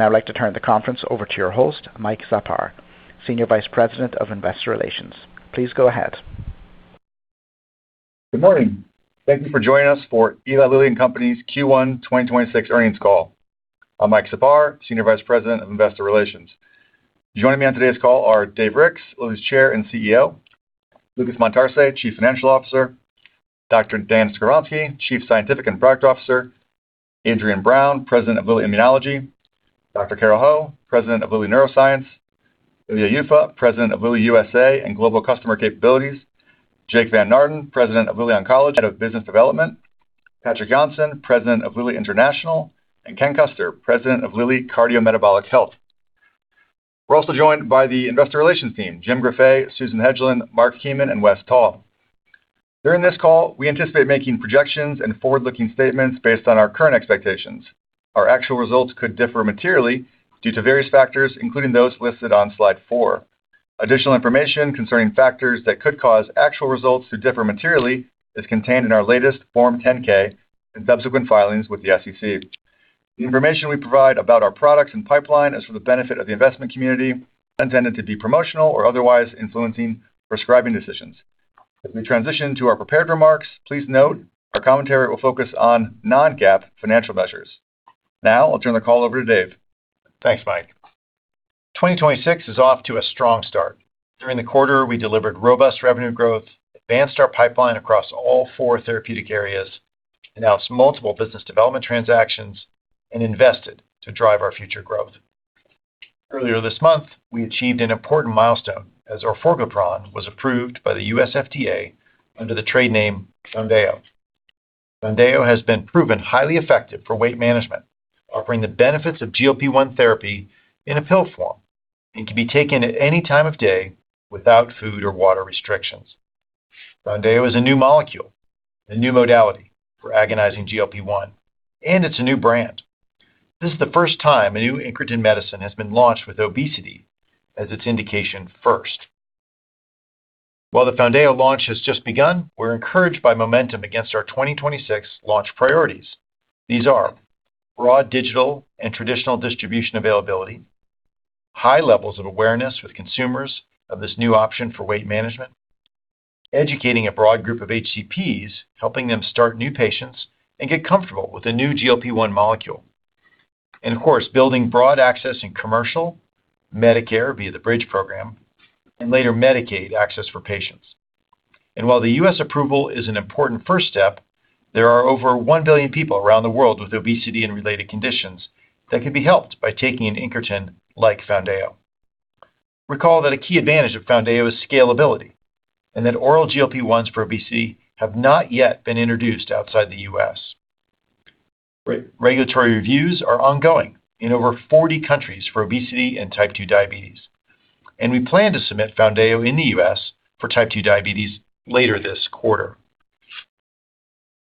I would now like to turn the conference over to your host, Mike Czapar, Senior Vice President of Investor Relations. Please go ahead. Good morning. Thank you for joining us for Eli Lilly and Company's Q1 2026 Earnings Call. I'm Mike Czapar, Senior Vice President of Investor Relations. Joining me on today's call are Dave Ricks, Lilly's Chair and CEO, Lucas Montarce, Chief Financial Officer, Dr. Dan Skovronsky, Chief Scientific and Product Officer, Adrian Brown, President of Lilly Immunology, Carole Ho, President of Lilly Neuroscience, Ilya Yuffa, President of Lilly USA and Global Customer Capabilities, Jake Van Naarden, President of Lilly Oncology and Head of Business Development, Patrik Jonsson, President of Lilly International, and Ken Custer, President of Lilly Cardiometabolic Health. We're also joined by the investor relations team, Jim Greffet, Susan Hettlage, Marc Kemen, and Wes Taul. During this call, we anticipate making projections and forward-looking statements based on our current expectations. Our actual results could differ materially due to various factors, including those listed on slide four. Additional information concerning factors that could cause actual results to differ materially is contained in our latest Form 10-K and subsequent filings with the SEC. The information we provide about our products and pipeline is for the benefit of the investment community, not intended to be promotional or otherwise influencing prescribing decisions. As we transition to our prepared remarks, please note our commentary will focus on non-GAAP financial measures. Now I'll turn the call over to Dave. Thanks, Mike. 2026 is off to a strong start. During the quarter, we delivered robust revenue growth, advanced our pipeline across all four therapeutic areas, announced multiple business development transactions, and invested to drive our future growth. Earlier this month, we achieved an important milestone as orforglipron was approved by the U.S. FDA under the trade name Foundayo. Foundayo has been proven highly effective for weight management, offering the benefits of GLP-1 therapy in a pill form and can be taken at any time of day without food or water restrictions. Foundayo is a new molecule, a new modality for agonizing GLP-1, it's a new brand. This is the first time a new incretin medicine has been launched with obesity as its indication first. While the Foundayo launch has just begun, we're encouraged by momentum against our 2026 launch priorities. These are broad digital and traditional distribution availability, high levels of awareness with consumers of this new option for weight management, educating a broad group of HCPs, helping them start new patients and get comfortable with a new GLP-1 molecule, and of course, building broad access in commercial, Medicare via the Bridge program, and later Medicaid access for patients. While the U.S. approval is an important first step, there are over 1 billion people around the world with obesity and related conditions that can be helped by taking an incretin like Foundayo. Recall that a key advantage of Foundayo is scalability, and that oral GLP-1s for obesity have not yet been introduced outside the U.S. Regulatory reviews are ongoing in over 40 countries for obesity and type 2 diabetes, and we plan to submit Foundayo in the U.S. for type 2 diabetes later this quarter.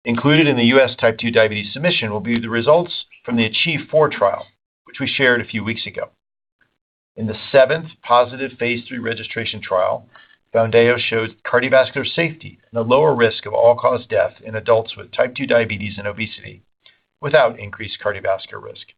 Included in the U.S. type 2 diabetes submission will be the results from the ACHIEVE-4 trial, which we shared a few weeks ago. In the seventh positive phase III registration trial, Foundayo showed cardiovascular safety and a lower risk of all-cause death in adults with type 2 diabetes and obesity without increased cardiovascular risk.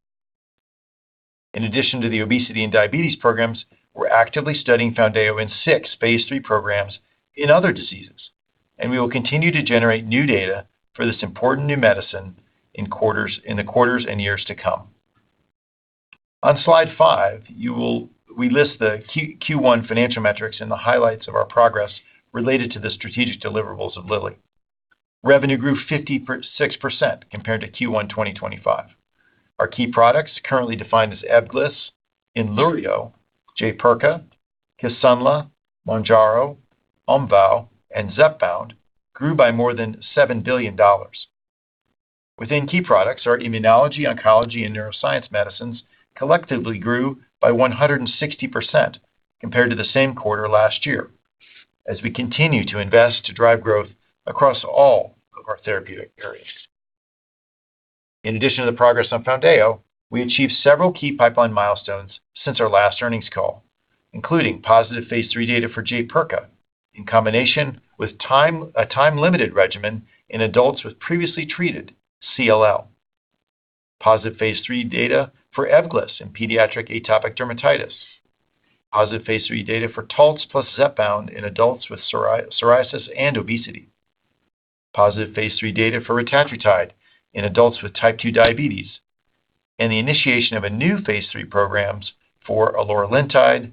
In addition to the obesity and diabetes programs, we're actively studying Foundayo in six phase III programs in other diseases, and we will continue to generate new data for this important new medicine in the quarters and years to come. On slide five, we list the Q1 financial metrics and the highlights of our progress related to the strategic deliverables of Lilly. Revenue grew 56% compared to Q1 2025. Our key products currently defined as Ebglyss, Inluriyo, Jaypirca, Kisunla, Mounjaro, Omvoh, and Zepbound grew by more than $7 billion. Within key products, our immunology, oncology, and neuroscience medicines collectively grew by 160% compared to the same quarter last year as we continue to invest to drive growth across all of our therapeutic areas. In addition to the progress on Foundayo, we achieved several key pipeline milestones since our last earnings call, including positive phase III data for Jaypirca in combination with a time-limited regimen in adults with previously treated CLL. Positive phase III data for Ebglyss in pediatric atopic dermatitis. Positive phase III data for Taltz plus Zepbound in adults with psoriasis and obesity. Positive phase III data for retatrutide in adults with type 2 diabetes, and the initiation of a new phase III programs for eloralintide,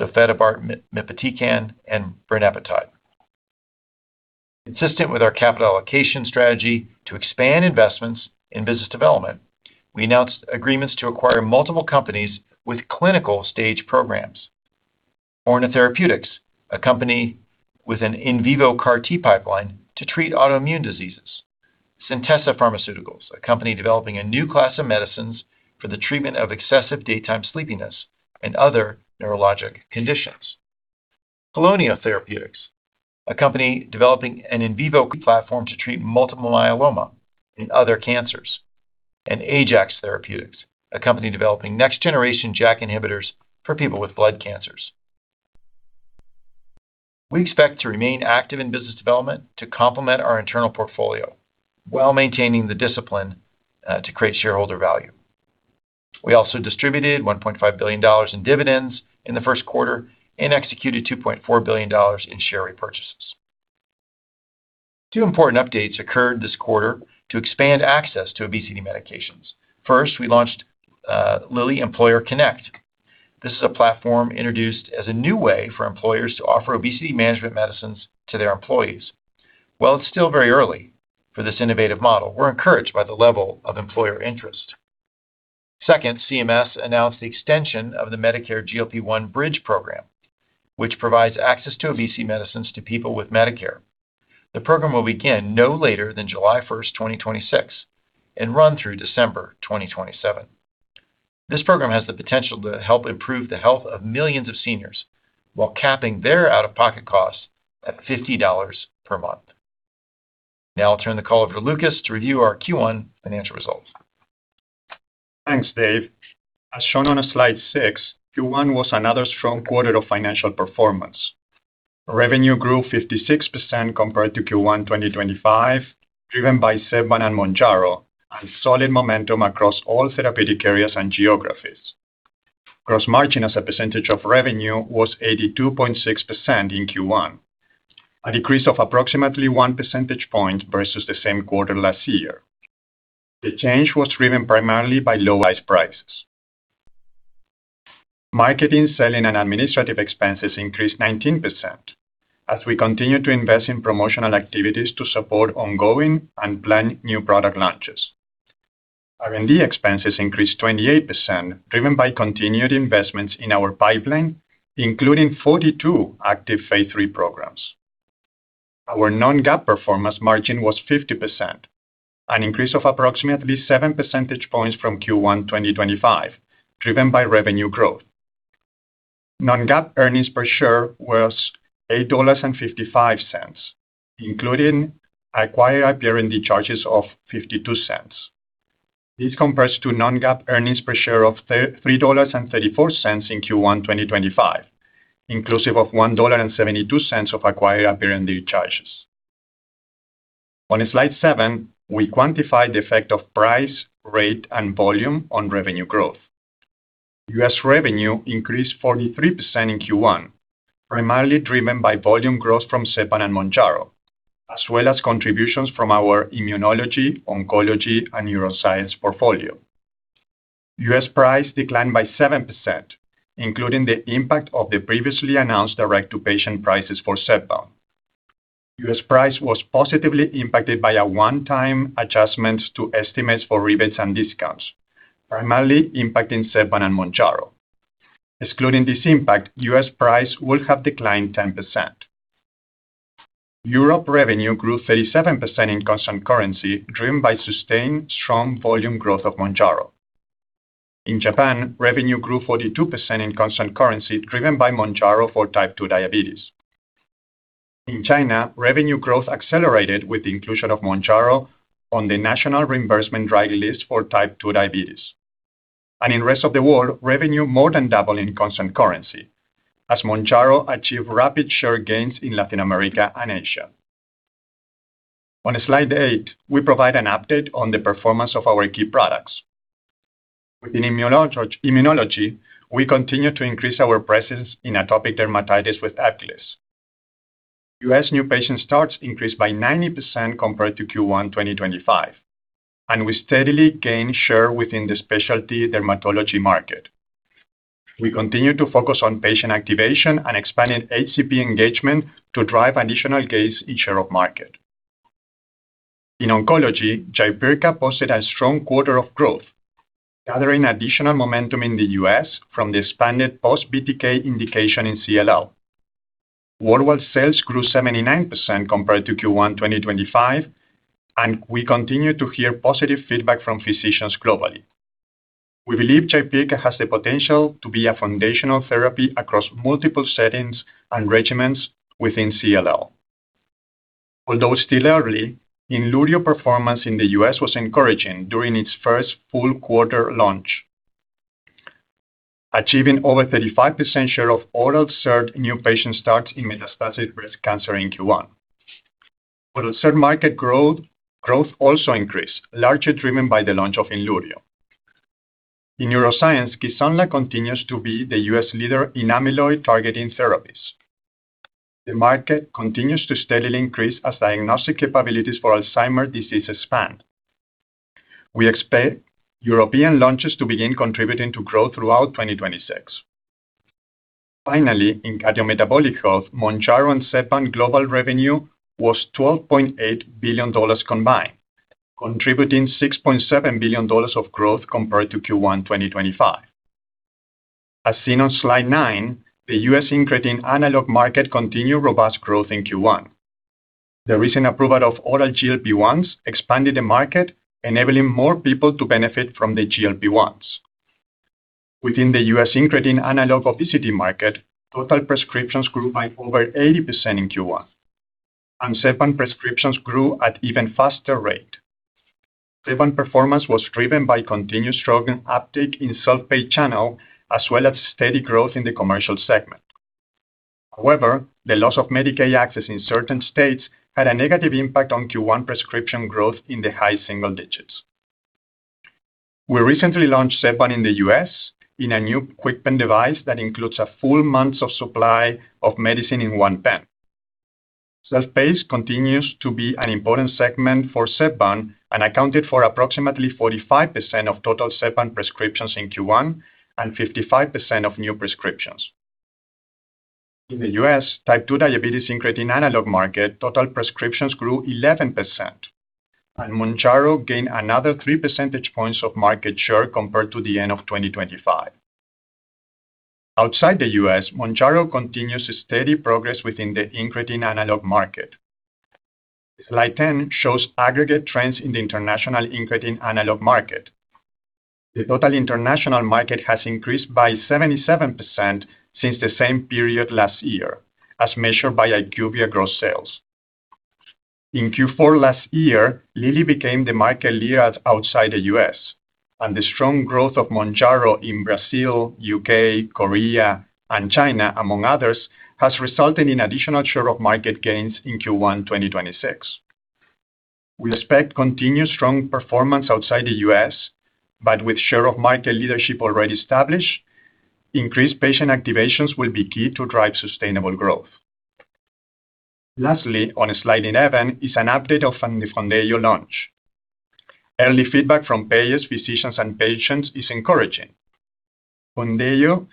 Sofetabart Mipitecan, and Brimapitide. Consistent with our capital allocation strategy to expand investments in business development, we announced agreements to acquire multiple companies with clinical stage programs. Orna Therapeutics, a company with an in vivo CAR-T pipeline to treat autoimmune diseases. Centessa Pharmaceuticals, a company developing a new class of medicines for the treatment of excessive daytime sleepiness and other neurologic conditions. Kelonia Therapeutics, a company developing an in vivo platform to treat multiple myeloma and other cancers. Ajax Therapeutics, a company developing next generation JAK inhibitors for people with blood cancers. We expect to remain active in business development to complement our internal portfolio while maintaining the discipline to create shareholder value. We also distributed $1.5 billion in dividends in the first quarter and executed $2.4 billion in share repurchases. Two important updates occurred this quarter to expand access to obesity medications. First, we launched Lilly Employer Connect. This is a platform introduced as a new way for employers to offer obesity management medicines to their employees. While it's still very early for this innovative model, we're encouraged by the level of employer interest. Second, CMS announced the extension of the Medicare GLP-1 Bridge program, which provides access to obesity medicines to people with Medicare. The program will begin no later than July 1st, 2026, and run through December, 2027. This program has the potential to help improve the health of millions of seniors while capping their out-of-pocket costs at $50 per month. Now I'll turn the call over to Lucas to review our Q1 financial results. Thanks, Dave. As shown on slide six, Q1 was another strong quarter of financial performance. Revenue grew 56% compared to Q1 2025, driven by Zepbound and Mounjaro and solid momentum across all therapeutic areas and geographies. Gross margin as a percentage of revenue was 82.6% in Q1, a decrease of approximately 1 percentage point versus the same quarter last year. The change was driven primarily by lower list prices. Marketing, selling, and administrative expenses increased 19% as we continue to invest in promotional activities to support ongoing and planned new product launches. R&D expenses increased 28%, driven by continued investments in our pipeline, including 42 active phase III programs. Our non-GAAP performance margin was 50%, an increase of approximately 7 percentage points from Q1 2025, driven by revenue growth. Non-GAAP earnings per share was $8.55, including acquired R&D charges of $0.52. This compares to non-GAAP earnings per share of $3.34 in Q1 2025, inclusive of $1.72 of acquired R&D charges. On slide 7, we quantify the effect of price, rate, and volume on revenue growth. U.S. revenue increased 43% in Q1, primarily driven by volume growth from Zepbound and Mounjaro, as well as contributions from our immunology, oncology, and neuroscience portfolio. U.S. price declined by 7%, including the impact of the previously announced direct to patient prices for Zepbound. U.S. price was positively impacted by a one-time adjustment to estimates for rebates and discounts, primarily impacting Zepbound and Mounjaro. Excluding this impact, U.S. price will have declined 10%. Europe revenue grew 37% in constant currency, driven by sustained strong volume growth of Mounjaro. In Japan, revenue grew 42% in constant currency, driven by Mounjaro for type 2 diabetes. In China, revenue growth accelerated with the inclusion of Mounjaro on the National Reimbursement Drug List for type 2 diabetes. In rest of the world, revenue more than doubled in constant currency as Mounjaro achieved rapid share gains in Latin America and Asia. On slide eight, we provide an update on the performance of our key products. Within immunology, we continue to increase our presence in atopic dermatitis with DUPIXENT. U.S. new patient starts increased by 90% compared to Q1 2025, we steadily gain share within the specialty dermatology market. We continue to focus on patient activation and expanding HCP engagement to drive additional gains in share of market. In oncology, Jaypirca posted a strong quarter of growth, gathering additional momentum in the U.S. from the expanded post-BTK indication in CLL. Worldwide sales grew 79% compared to Q1 2025, we continue to hear positive feedback from physicians globally. We believe Jaypirca has the potential to be a foundational therapy across multiple settings and regimens within CLL. Although still early, Enlurio performance in the U.S. was encouraging during its first full quarter launch, achieving over 35% share of oral third new patient starts in metastatic breast cancer in Q1. For the third market growth also increased, largely driven by the launch of Enlurio. In neuroscience, Kisunla continues to be the U.S. leader in amyloid-targeting therapies. The market continues to steadily increase as diagnostic capabilities for Alzheimer's disease expand. We expect European launches to begin contributing to growth throughout 2026. Finally, in Cardiometabolic Health, Mounjaro and Zepbound global revenue was $12.8 billion combined, contributing $6.7 billion of growth compared to Q1 2025. As seen on slide nine, the U.S. incretin-analog market continued robust growth in Q1. The recent approval of oral GLP-1s expanded the market, enabling more people to benefit from the GLP-1s. Within the U.S. incretin analog obesity market, total prescriptions grew by over 80% in Q1, and Zepbound prescriptions grew at even faster rate. Zepbound performance was driven by continuous strong uptake in self-pay channel, as well as steady growth in the commercial segment. However, the loss of Medicaid access in certain states had a negative impact on Q1 prescription growth in the high single digits. We recently launched Zepbound in the U.S. in a new KwikPen device that includes a full month of supply of medicine in one pen. Self-pay continues to be an important segment for Zepbound and accounted for approximately 45% of total Zepbound prescriptions in Q1 and 55% of new prescriptions. In the U.S., type 2 diabetes incretin analog market, total prescriptions grew 11%, and Mounjaro gained another 3 percentage points of market share compared to the end of 2025. Outside the U.S., Mounjaro continues steady progress within the incretin analog market. Slide 10 shows aggregate trends in the international incretin analog market. The total international market has increased by 77% since the same period last year, as measured by IQVIA gross sales. In Q4 last year, Lilly became the market leader outside the U.S., and the strong growth of Mounjaro in Brazil, U.K., Korea, and China, among others, has resulted in additional share of market gains in Q1, 2026. We expect continued strong performance outside the U.S. With share of market leadership already established, increased patient activations will be key to drive sustainable growth. Lastly, on slide 11 is an update of the Foundayo launch. Early feedback from payers, physicians, and patients is encouraging. Foundayo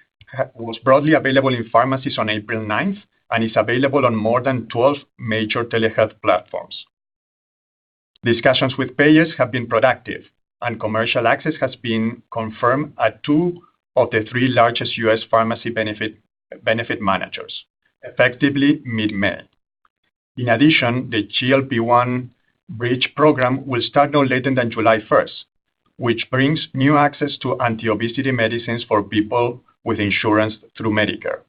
was broadly available in pharmacies on April 9th and is available on more than 12 major telehealth platforms. Discussions with payers have been productive, and commercial access has been confirmed at two of the three largest U.S. pharmacy benefit managers, effectively mid-May. In addition, the GLP-1 Bridge program will start no later than July 1st, which brings new access to anti-obesity medicines for people with insurance through Medicare.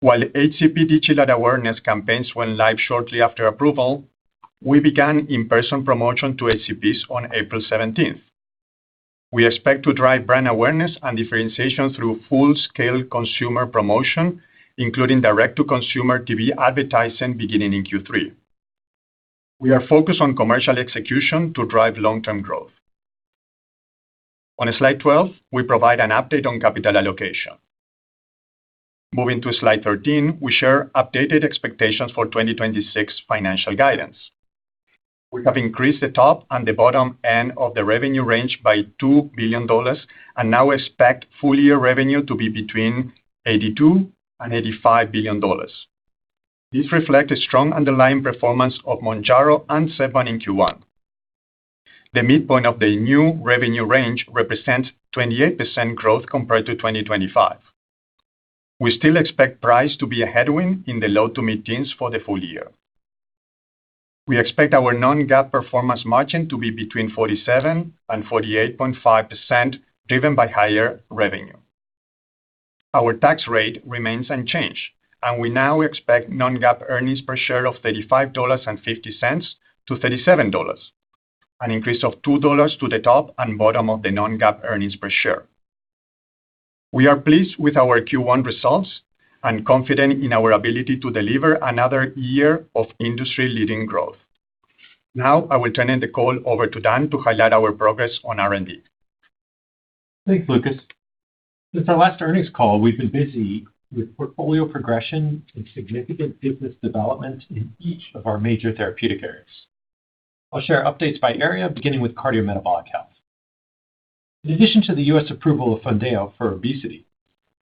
While HCP digital awareness campaigns went live shortly after approval, we began in-person promotion to HCPs on April 17th. We expect to drive brand awareness and differentiation through full-scale consumer promotion, including direct to consumer TV advertising beginning in Q3. We are focused on commercial execution to drive long-term growth. On slide 12, we provide an update on capital allocation. Moving to slide 13, we share updated expectations for 2026 financial guidance. We have increased the top and the bottom end of the revenue range by $2 billion and now expect full year revenue to be between $82 billion and $85 billion. These reflect a strong underlying performance of Mounjaro and Zepbound in Q1. The midpoint of the new revenue range represents 28% growth compared to 2025. We still expect price to be a headwind in the low to mid-teens for the full year. We expect our non-GAAP performance margin to be between 47% and 48.5%, driven by higher revenue. Our tax rate remains unchanged. We now expect non-GAAP earnings per share of $35.50 to $37, an increase of $2 to the top and bottom of the non-GAAP earnings per share. We are pleased with our Q1 results and confident in our ability to deliver another year of industry-leading growth. Now, I will turn the call over to Dan to highlight our progress on R&D. Thanks, Lucas. Since our last earnings call, we've been busy with portfolio progression and significant business development in each of our major therapeutic areas. I'll share updates by area, beginning with Cardiometabolic Health. In addition to the U.S. approval of Foundayo for obesity,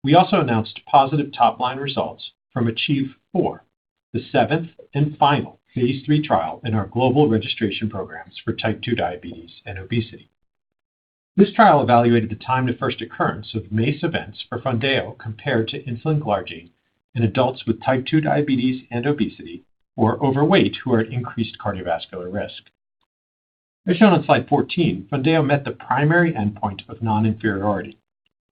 we also announced positive top-line results from ACHIEVE-4, the seventh and final phase III trial in our global registration programs for type 2 diabetes and obesity. This trial evaluated the time to first occurrence of MACE events for Foundayo compared to insulin glargine in adults with type 2 diabetes and obesity or overweight who are at increased cardiovascular risk. As shown on slide 14, Foundayo met the primary endpoint of non-inferiority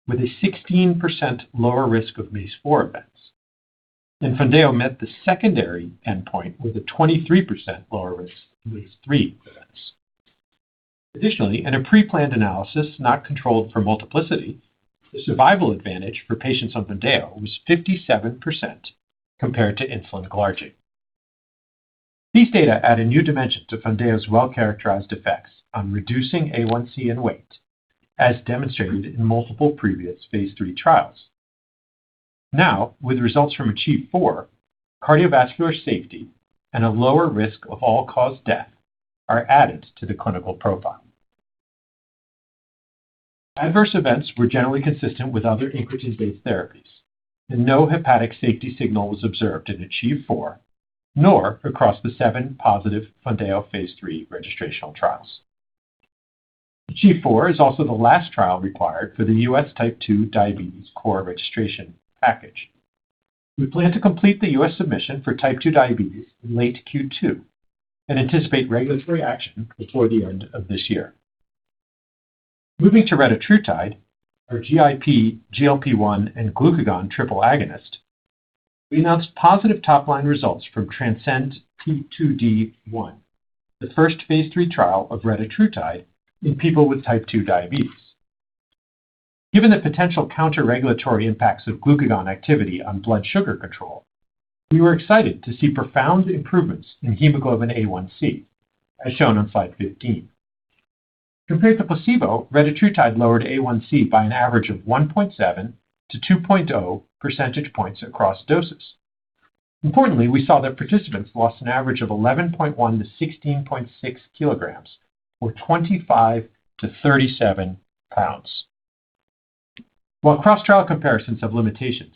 with a 16% lower risk of MACE-4 events, and Foundayo met the secondary endpoint with a 23% lower risk of MACE-3 events. Additionally, in a pre-planned analysis, not controlled for multiplicity, the survival advantage for patients on Foundayo was 57% compared to insulin glargine. These data add a new dimension to Foundayo's well-characterized effects on reducing A1C and weight, as demonstrated in multiple previous phase III trials. Now, with results from ACHIEVE-4, cardiovascular safety and a lower risk of all-cause death are added to the clinical profile. Adverse events were generally consistent with other incretin-based therapies, and no hepatic safety signal was observed in ACHIEVE-4, nor across the seven positive Foundayo phase III registrational trials. ACHIEVE-4 is also the last trial required for the U.S. type 2 diabetes core registration package. We plan to complete the U.S. submission for type 2 diabetes in late Q2 and anticipate regulatory action before the end of this year. Moving to retatrutide, our GIP, GLP-1, and glucagon triple agonist, we announced positive top-line results from TRANSCEND-T2D1, the first phase III trial of retatrutide in people with type 2 diabetes. Given the potential counter-regulatory impacts of glucagon activity on blood sugar control, we were excited to see profound improvements in hemoglobin A1C, as shown on slide 15. Compared to placebo, retatrutide lowered A1C by an average of 1.7 to 2.0 percentage points across doses. Importantly, we saw that participants lost an average of 11.1 kg to 16.6 kg, or 25 lbs to 37 lbs. While cross-trial comparisons have limitations,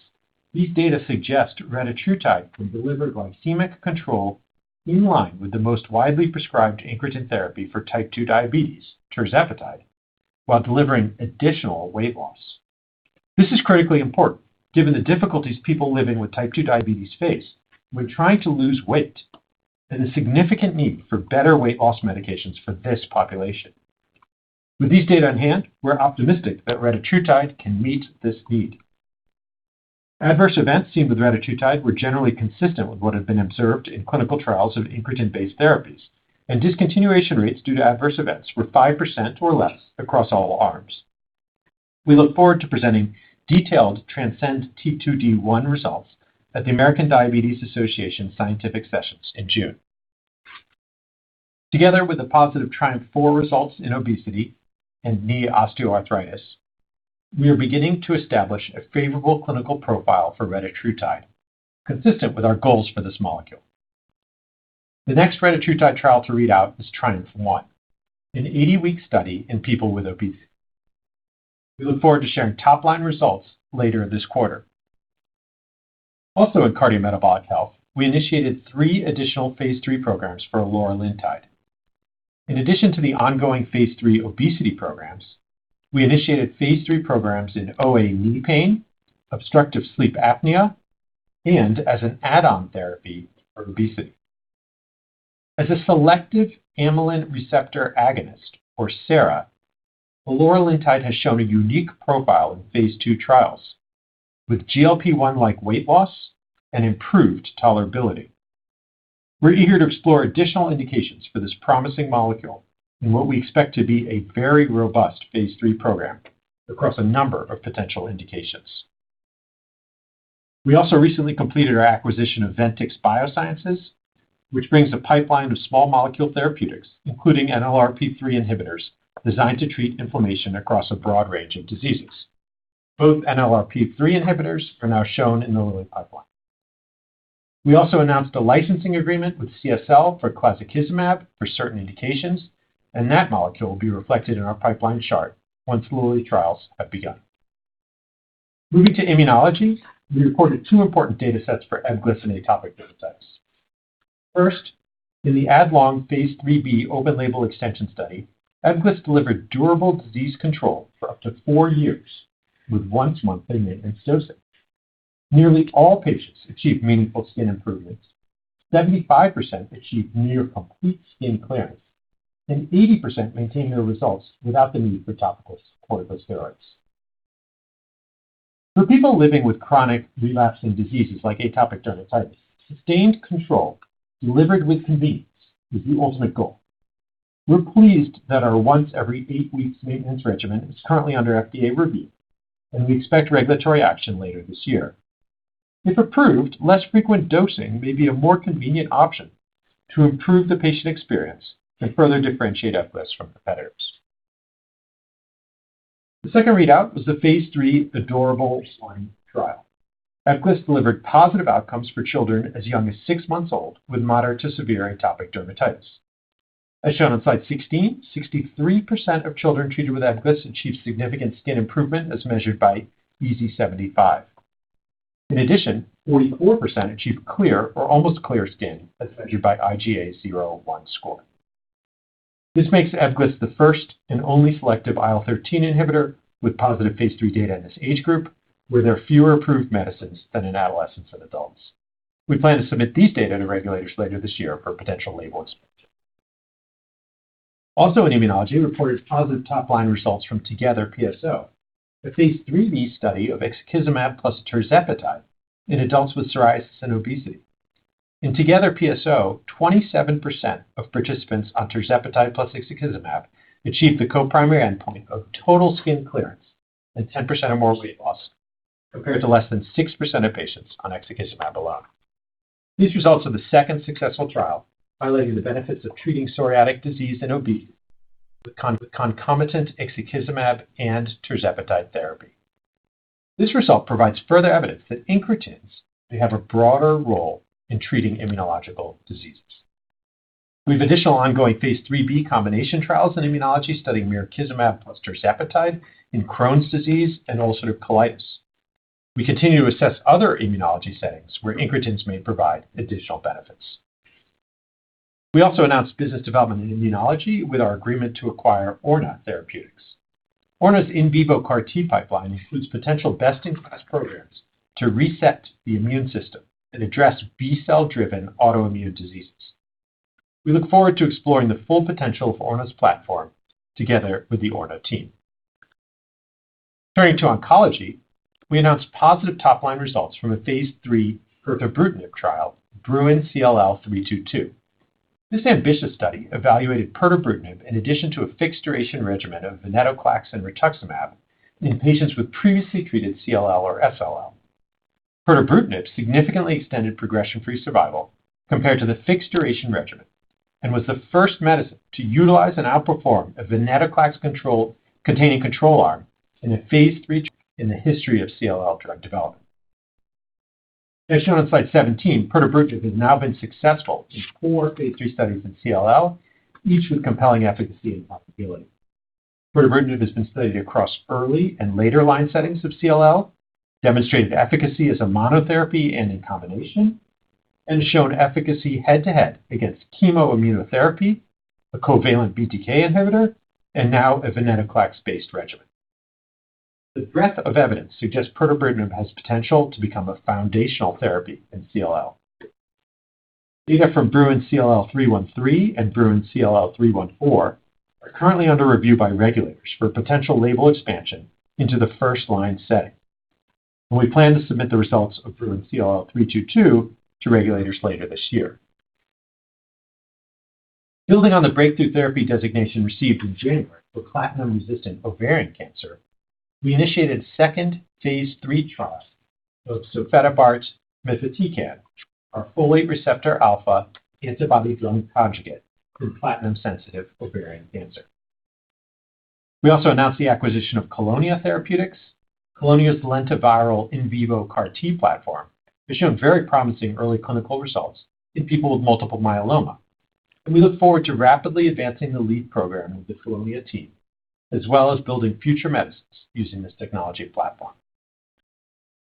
these data suggest retatrutide can deliver glycemic control in line with the most widely prescribed incretin therapy for type 2 diabetes, tirzepatide, while delivering additional weight loss. This is critically important given the difficulties people living with type 2 diabetes face when trying to lose weight and a significant need for better weight loss medications for this population. With these data on hand, we're optimistic that retatrutide can meet this need. Adverse events seen with retatrutide were generally consistent with what had been observed in clinical trials of incretin-based therapies, and discontinuation rates due to adverse events were 5% or less across all arms. We look forward to presenting detailed TRANSCEND-T2D-1 results at the American Diabetes Association Scientific Sessions in June. Together with the positive TRIUMPH-4 results in obesity and knee osteoarthritis, we are beginning to establish a favorable clinical profile for retatrutide, consistent with our goals for this molecule. The next retatrutide trial to read out is TRIUMPH-1, an 80-week study in people with obesity. We look forward to sharing top-line results later this quarter. Also in cardiometabolic health, we initiated three additional phase III programs for eloralintide. In addition to the ongoing phase III obesity programs, we initiated phase III programs in OA knee pain, obstructive sleep apnea, and as an add-on therapy for obesity. As a selective amylin receptor agonist, or SARA, eloralintide has shown a unique profile in phase II trials with GLP-1-like weight loss and improved tolerability. We're eager to explore additional indications for this promising molecule in what we expect to be a very robust phase III program across a number of potential indications. We also recently completed our acquisition of Ventyx Biosciences, which brings a pipeline of small molecule therapeutics, including NLRP3 inhibitors designed to treat inflammation across a broad range of diseases. Both NLRP3 inhibitors are now shown in the Lilly pipeline. We also announced a licensing agreement with CSL for mirikizumab for certain indications, that molecule will be reflected in our pipeline chart once Lilly trials have begun. Moving to immunology, we reported two important datasets for Ebglyss and atopic dermatitis. First, in the ADlong phase III-B open-label extension study, Ebglyss delivered durable disease control for up to four years with once-monthly maintenance dosing. Nearly all patients achieved meaningful skin improvements, 75% achieved near complete skin clearance, 80% maintained their results without the need for topical corticosteroids. For people living with chronic relapsing diseases like atopic dermatitis, sustained control delivered with convenience is the ultimate goal. We're pleased that our once every eight weeks maintenance regimen is currently under FDA review, and we expect regulatory action later this year. If approved, less frequent dosing may be a more convenient option to improve the patient experience and further differentiate Ebglyss from competitors. The second readout was the phase III ADorable-1 trial. Ebglyss delivered positive outcomes for children as young as six months old with moderate to severe atopic dermatitis. As shown on slide 16, 63% of children treated with Ebglyss achieved significant skin improvement as measured by EASI-75. In addition, 44% achieved clear or almost clear skin as measured by IGA 0/1 score. This makes Ebglyss the first and only selective IL-13 inhibitor with positive phase III data in this age group, where there are fewer approved medicines than in adolescents and adults. We plan to submit these data to regulators later this year for potential label expansion. Also in immunology, we reported positive top-line results from TOGETHER-PsO, a phase III-B study of ixekizumab plus tirzepatide in adults with psoriasis and obesity. In TOGETHER-PsO, 27% of participants on tirzepatide plus ixekizumab achieved the co-primary endpoint of total skin clearance and 10% or more weight loss, compared to less than 6% of patients on ixekizumab alone. These results are the second successful trial highlighting the benefits of treating psoriatic disease and obesity with concomitant ixekizumab and tirzepatide therapy. This result provides further evidence that incretins may have a broader role in treating immunological diseases. We have additional ongoing phase III-B combination trials in immunology studying mirikizumab plus tirzepatide in Crohn's disease and ulcerative colitis. We continue to assess other immunology settings where incretins may provide additional benefits. We also announced business development in immunology with our agreement to acquire Orna Therapeutics. Orna's in vivo CAR-T pipeline includes potential best-in-class programs to reset the immune system and address B-cell-driven autoimmune diseases. We look forward to exploring the full potential of Orna's platform together with the Orna team. Turning to oncology, we announced positive top-line results from a phase III pirtobrutinib trial, BRUIN CLL-322. This ambitious study evaluated pirtobrutinib in addition to a fixed-duration regimen of venetoclax and rituximab in patients with previously treated CLL or SLL. Pirtobrutinib significantly extended progression-free survival compared to the fixed-duration regimen and was the first medicine to utilize and outperform a venetoclax control, containing control arm in a phase III trial in the history of CLL drug development. As shown on slide 17, pirtobrutinib has now been successful in four phase III studies in CLL, each with compelling efficacy and profitability. Pirtobrutinib has been studied across early and later line settings of CLL, demonstrated efficacy as a monotherapy and in combination, and shown efficacy head-to-head against chemoimmunotherapy, a covalent BTK inhibitor, and now a venetoclax-based regimen. The breadth of evidence suggests pirtobrutinib has potential to become a foundational therapy in CLL. Data from BRUIN CLL-313 and BRUIN CLL-314 are currently under review by regulators for potential label expansion into the first-line setting. We plan to submit the results of BRUIN CLL-322 to regulators later this year. Building on the breakthrough therapy designation received in January for platinum-resistant ovarian cancer, we initiated second phase III trials of sofetabart mipitecan, our folate receptor alpha antibody-drug conjugate for platinum-sensitive ovarian cancer. We also announced the acquisition of Kelonia Therapeutics. Kelonia's lentiviral in vivo CAR-T platform has shown very promising early clinical results in people with multiple myeloma, and we look forward to rapidly advancing the lead program with the Kelonia team, as well as building future medicines using this technology platform.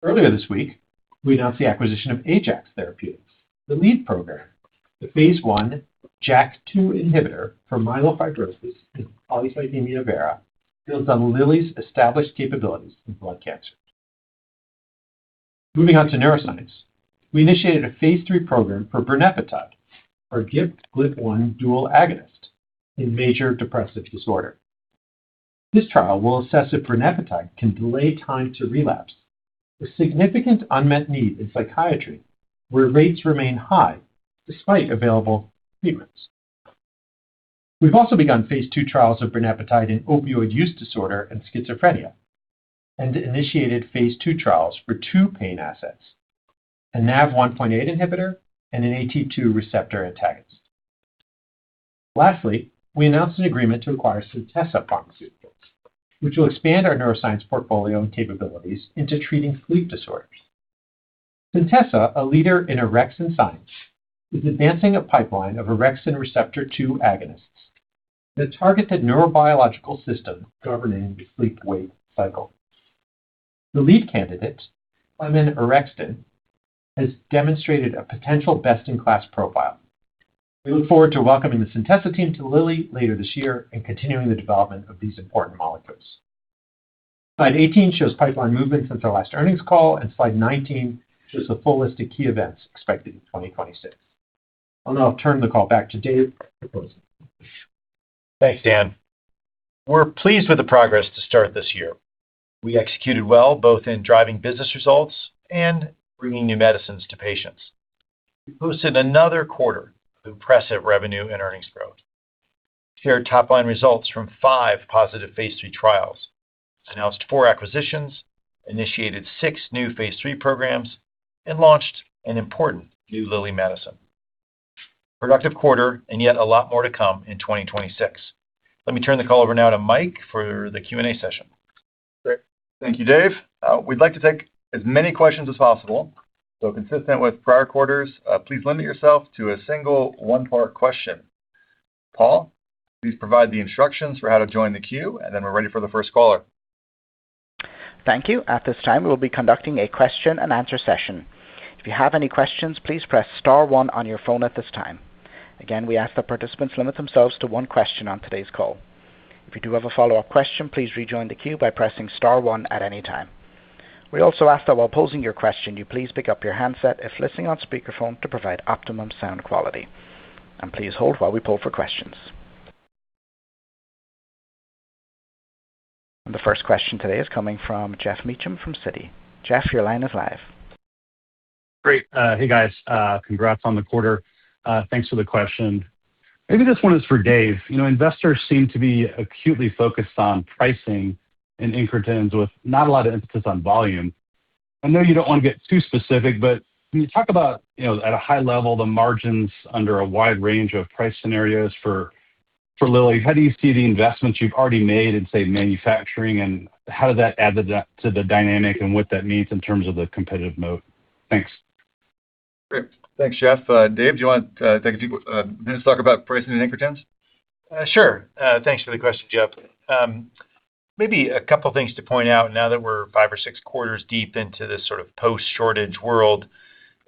Earlier this week, we announced the acquisition of Ajax Therapeutics, the lead program, the phase I JAK2 inhibitor for myelofibrosis and polycythemia vera, builds on Lilly's established capabilities in blood cancer. Moving on to neuroscience, we initiated a phase III program for Brimapitide, our GIP/GLP-1 dual agonist in major depressive disorder. This trial will assess if Brimapitide can delay time to relapse, a significant unmet need in psychiatry, where rates remain high despite available treatments. We've also begun phase II trials of Brimapitide in opioid use disorder and schizophrenia and initiated phase II trials for two pain assets, a NaV1.8 inhibitor and an AT2 receptor antagonist. Lastly, we announced an agreement to acquire Centessa Pharmaceuticals, which will expand our neuroscience portfolio and capabilities into treating sleep disorders. Centessa, a leader in orexin science, is advancing a pipeline of orexin receptor two agonists that target the neurobiological system governing the sleep-wake cycle. The lead candidate, cleminorexton, has demonstrated a potential best-in-class profile. We look forward to welcoming the Centessa team to Lilly later this year and continuing the development of these important molecules. Slide 18 shows pipeline movement since our last earnings call, slide 19 shows the full list of key events expected in 2026. I'll now turn the call back to Dave for closing. Thanks, Dan. We're pleased with the progress to start this year. We executed well both in driving business results and bringing new medicines to patients. We posted another quarter of impressive revenue and earnings growth, shared top-line results from five positive phase III trials, announced 4 acquisitions, initiated six new phase III programs, and launched an important new Lilly medicine. Productive quarter, yet a lot more to come in 2026. Let me turn the call over now to Mike for the Q&A session. Great. Thank you, Dave. We'd like to take as many questions as possible. Consistent with prior quarters, please limit yourself to a single one-part question. Paul, please provide the instructions for how to join the queue. We're ready for the first caller. Thank you. At this time, we will be conducting a question and answer session. If you have any questions, please press star one on your phone at this time. Again, we ask that participants limit themselves to one question on today's call. If you do have a follow-up question, please rejoin the queue by pressing star one at any time. We also ask that while posing your question, you please pick up your handset if listening on speakerphone to provide optimum sound quality. Please hold while we poll for questions. The first question today is coming from Geoff Meacham from Citi. Geoff, your line is live. Great. Hey, guys. Congrats on the quarter. Thanks for the question. Maybe this one is for Dave. You know, investors seem to be acutely focused on pricing in incretins with not a lot of emphasis on volume. I know you don't want to get too specific, can you talk about, you know, at a high level, the margins under a wide range of price scenarios for Lilly? How do you see the investments you've already made in, say, manufacturing, how does that add to the dynamic and what that means in terms of the competitive moat? Thanks. Great. Thanks, Geoff. Dave, do you want to maybe just talk about pricing in incretins? Sure. Thanks for the question, Geoff. Maybe a couple things to point out now that we're five or six quarters deep into this sort of post-shortage world,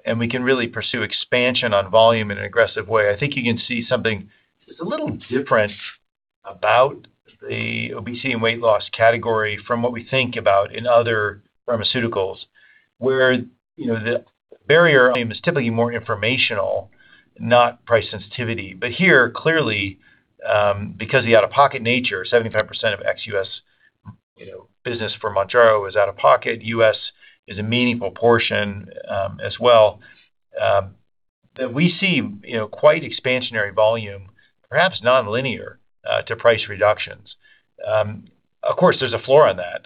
and we can really pursue expansion on volume in an aggressive way. I think you can see something just a little different about the obesity and weight loss category from what we think about in other pharmaceuticals, where, you know, the barrier is typically more informational, not price sensitivity. Here, clearly, because the out-of-pocket nature, 75% of ex-U.S., you know, business for Mounjaro is out-of-pocket, U.S. is a meaningful portion, as well, that we see, you know, quite expansionary volume, perhaps non-linear, to price reductions. Of course, there's a floor on that,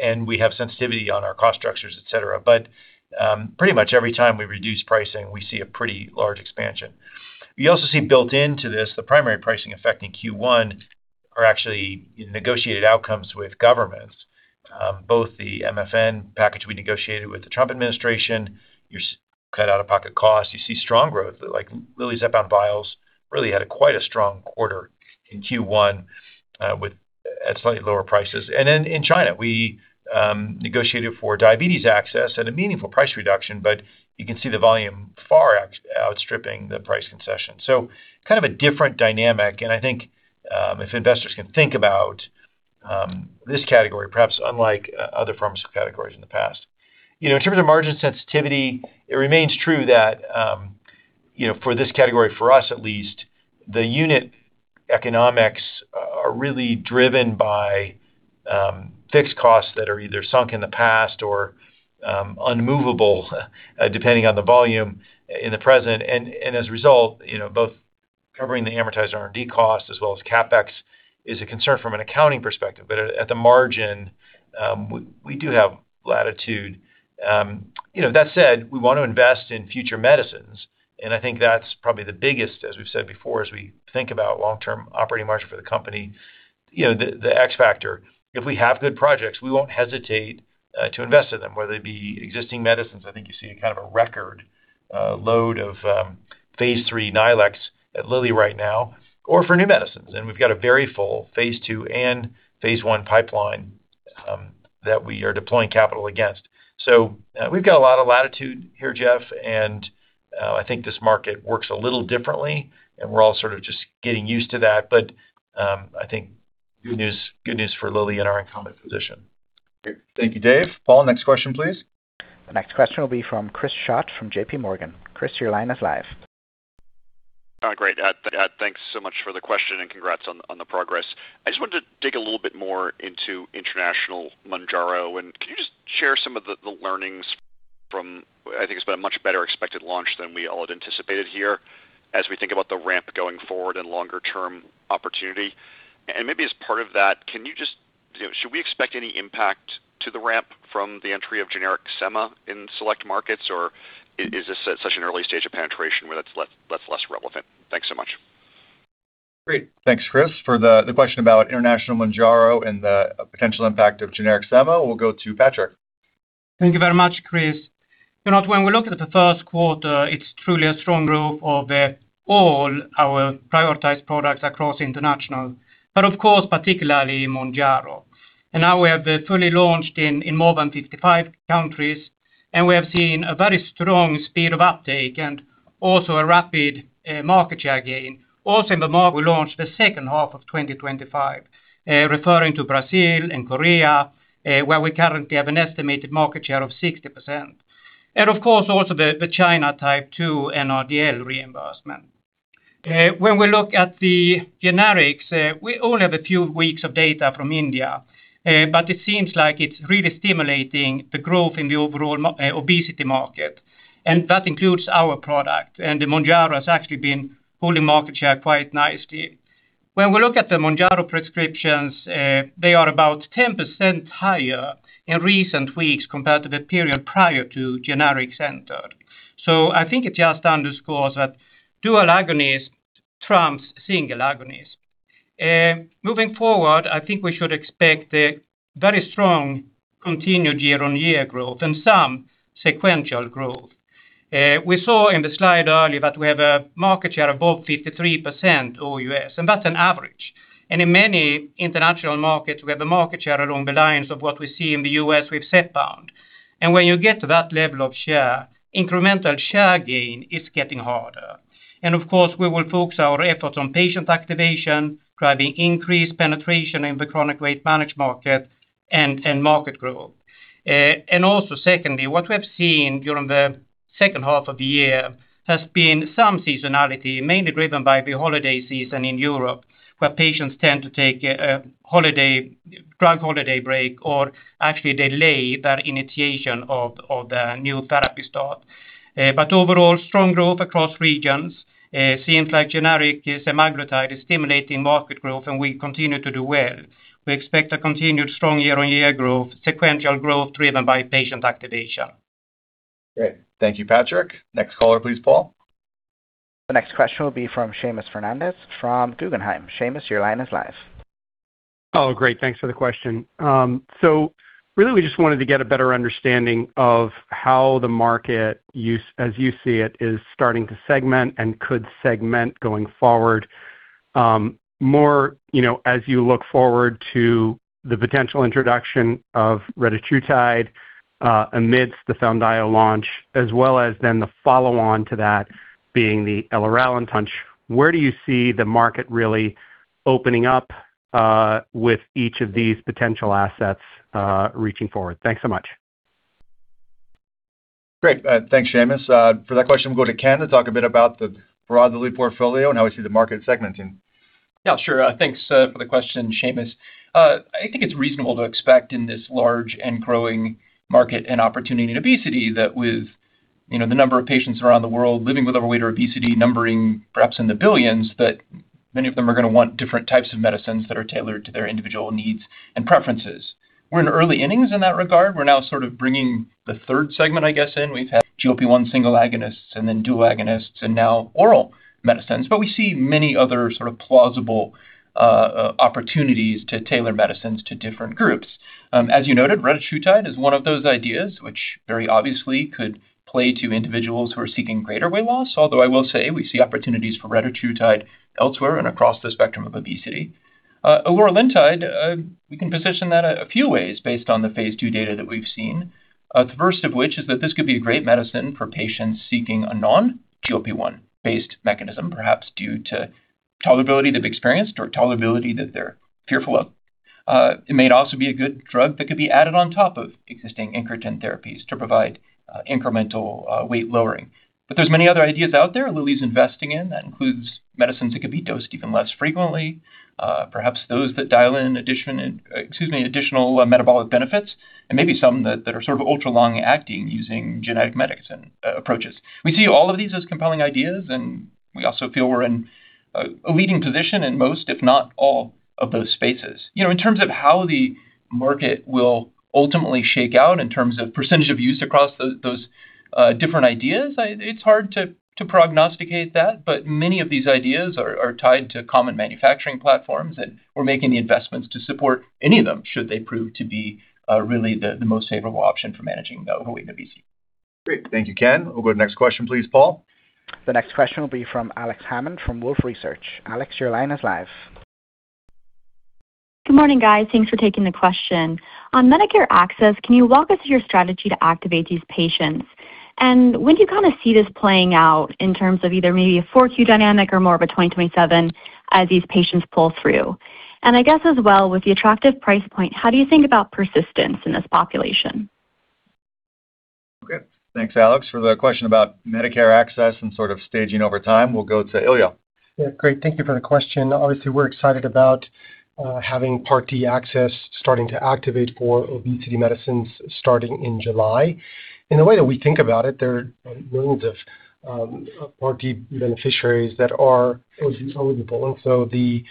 and we have sensitivity on our cost structures, et cetera. Pretty much every time we reduce pricing, we see a pretty large expansion. You also see built into this, the primary pricing effect in Q1 are actually negotiated outcomes with governments. Both the MFN package we negotiated with the Trump administration, you cut out-of-pocket costs, you see strong growth, like Lilly's up on vials really had a quite a strong quarter in Q1, with at slightly lower prices. In China, we negotiated for diabetes access at a meaningful price reduction, you can see the volume far outstripping the price concession. Kind of a different dynamic, I think, if investors can think about this category, perhaps unlike other pharmaceutical categories in the past. You know, in terms of margin sensitivity, it remains true that, you know, for this category, for us at least, the unit economics are really driven by fixed costs that are either sunk in the past or unmovable, depending on the volume in the present. As a result, you know, both covering the amortized R&D cost as well as CapEx is a concern from an accounting perspective. At the margin, we do have latitude. You know, that said, we want to invest in future medicines, and I think that's probably the biggest, as we've said before, as we think about long-term operating margin for the company, you know, the X factor. If we have good projects, we won't hesitate to invest in them, whether they be existing medicines. I think you see kind of a record load of phase III NILEX at Lilly right now or for new medicines. We've got a very full phase II and phase I pipeline that we are deploying capital against. We've got a lot of latitude here, Geoff, and I think this market works a little differently, and we're all sort of just getting used to that. I think good news, good news for Lilly and our incumbent position. Great. Thank you, Dave. Paul, next question, please. The next question will be from Chris Schott from J.P. Morgan. Chris, your line is live. Great. Thanks so much for the question, and congrats on the progress. I just wanted to dig a little bit more into international Mounjaro. Can you just share some of the learnings from? I think it's been a much better expected launch than we all had anticipated here as we think about the ramp going forward and longer term opportunity. Maybe as part of that, can you just should we expect any impact to the ramp from the entry of generic semaglutide in select markets, or is this at such an early stage of penetration where that's less relevant? Thanks so much. Great. Thanks, Chris, for the question about international Mounjaro and the potential impact of generic semaglutide. We'll go to Patrik. Thank you very much, Chris. You know, when we look at the first quarter, it's truly a strong growth of all our prioritized products across international, but of course, particularly Mounjaro. Now we have fully launched in more than 55 countries, and we have seen a very strong speed of uptake and also a rapid market share gain. Also in the mark, we launched the second half of 2025, referring to Brazil and Korea, where we currently have an estimated market share of 60%. Of course, also the China type 2 and NRDL reimbursement. When we look at the generics, we only have a few weeks of data from India, but it seems like it's really stimulating the growth in the overall obesity market, and that includes our product. The Mounjaro has actually been holding market share quite nicely. When we look at the Mounjaro prescriptions, they are about 10% higher in recent weeks compared to the period prior to generics entered. I think it just underscores that dual agonist trumps single agonist. Moving forward, I think we should expect a very strong continued year-on-year growth and some sequential growth. We saw in the slide earlier that we have a market share above 53% all U.S., and that's an average. In many international markets, we have a market share along the lines of what we see in the U.S. with Zepbound. When you get to that level of share, incremental share gain is getting harder. Of course, we will focus our efforts on patient activation, driving increased penetration in the chronic weight management market and market growth. Also secondly, what we have seen during the second half of the year has been some seasonality, mainly driven by the holiday season in Europe, where patients tend to take a holiday, drug holiday break or actually delay their initiation of the new therapy start. Overall, strong growth across regions. Seems like generic semaglutide is stimulating market growth, and we continue to do well. We expect a continued strong year-on-year growth, sequential growth driven by patient activation. Great. Thank you, Patrik. Next caller, please, Paul. The next question will be from Seamus Fernandez from Guggenheim. Seamus, your line is live. Great. Thanks for the question. Really, we just wanted to get a better understanding of how the market as you see it, is starting to segment and could segment going forward, more, you know, as you look forward to the potential introduction of retatrutide, amidst the Foundayo launch, as well as then the follow-on to that eloralintide, where do you see the market really opening up, with each of these potential assets, reaching forward? Thanks so much. Great. Thanks, Seamus. For that question, we'll go to Ken to talk a bit about the broader Lilly portfolio and how we see the market segmenting. Sure. Thanks for the question, Seamus. I think it's reasonable to expect in this large and growing market and opportunity in obesity that with, you know, the number of patients around the world living with overweight or obesity numbering perhaps in the billions, that many of them are going to want different types of medicines that are tailored to their individual needs and preferences. We're in early innings in that regard. We're now sort of bringing the third segment, I guess, in. We've had GLP-1 single agonists and then dual agonists and now oral medicines. We see many other sort of plausible opportunities to tailor medicines to different groups. As you noted, retatrutide is one of those ideas which very obviously could play to individuals who are seeking greater weight loss. Although I will say we see opportunities for retatrutide elsewhere and across the spectrum of obesity. Eloralintide, we can position that a few ways based on the phase II data that we've seen. The first of which is that this could be a great medicine for patients seeking a non-GLP-1-based mechanism, perhaps due to tolerability they've experienced or tolerability that they're fearful of. It may also be a good drug that could be added on top of existing incretin therapies to provide incremental weight lowering. There's many other ideas out there Lilly's investing in. That includes medicines that could be dosed even less frequently. Perhaps those that dial in additional metabolic benefits and maybe some that are sort of ultra long acting using genetic medicine approaches. We see all of these as compelling ideas. We also feel we're in a leading position in most, if not all, of those spaces. You know, in terms of how the market will ultimately shake out in terms of percentage of use across those different ideas, it's hard to prognosticate that. Many of these ideas are tied to common manufacturing platforms. We're making the investments to support any of them should they prove to be really the most favorable option for managing the overweight obesity. Great. Thank you, Ken. We'll go to the next question, please, Paul. The next question will be from Alex Hammond from Wolfe Research. Alex, your line is live. Good morning, guys. Thanks for taking the question. On Medicare access, can you walk us through your strategy to activate these patients? When do you kind of see this playing out in terms of either maybe a Q4 dynamic or more of a 2027 as these patients pull through? I guess as well, with the attractive price point, how do you think about persistence in this population? Okay. Thanks, Alex. For the question about Medicare access and sort of staging over time, we'll go to Ilya. Yeah. Great. Thank you for the question. Obviously, we're excited about having Part D access starting to activate for obesity medicines starting in July. The way that we think about it, there are millions of Part D beneficiaries that are obese already. So the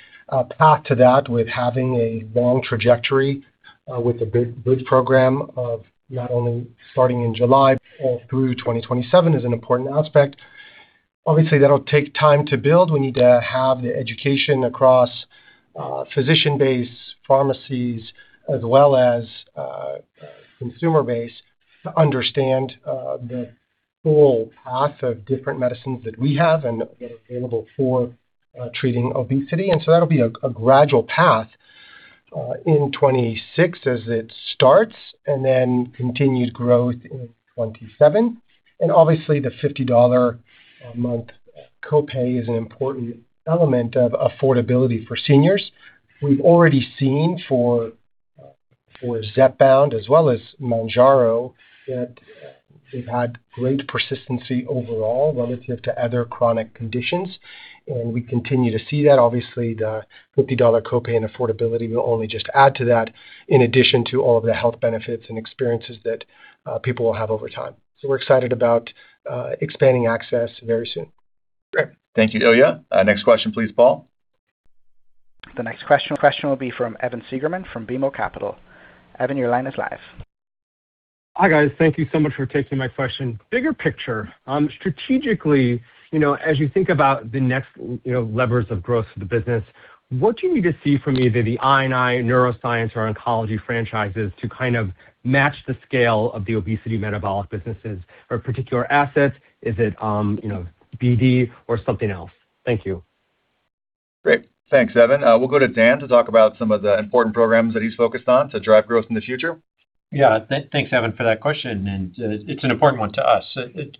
path to that with having a long trajectory, with a big bridge program of not only starting in July all through 2027 is an important aspect. Obviously, that'll take time to build. We need to have the education across physician base, pharmacies, as well as consumer base to understand the full path of different medicines that we have and that are available for treating obesity. So that'll be a gradual path in 2026 as it starts and then continued growth in 2027. Obviously, the $50 a month copay is an important element of affordability for seniors. We've already seen for Zepbound as well as Mounjaro that they've had great persistency overall relative to other chronic conditions, and we continue to see that. Obviously, the $50 copay and affordability will only just add to that in addition to all of the health benefits and experiences that people will have over time. We're excited about expanding access very soon. Great. Thank you, Ilya. Next question, please, Paul. The next question will be from Evan Seigerman from BMO Capital Markets. Evan, your line is live. Hi, guys. Thank you so much for taking my question. Bigger picture, strategically, you know, as you think about the next, you know, levers of growth of the business, what do you need to see from either the I&I, Neuroscience or Oncology franchises to kind of match the scale of the obesity metabolic businesses or particular assets? Is it, you know, BD or something else? Thank you. Great. Thanks, Evan. We'll go to Dan to talk about some of the important programs that he's focused on to drive growth in the future. Yeah. Thanks, Evan, for that question. It's an important one to us. To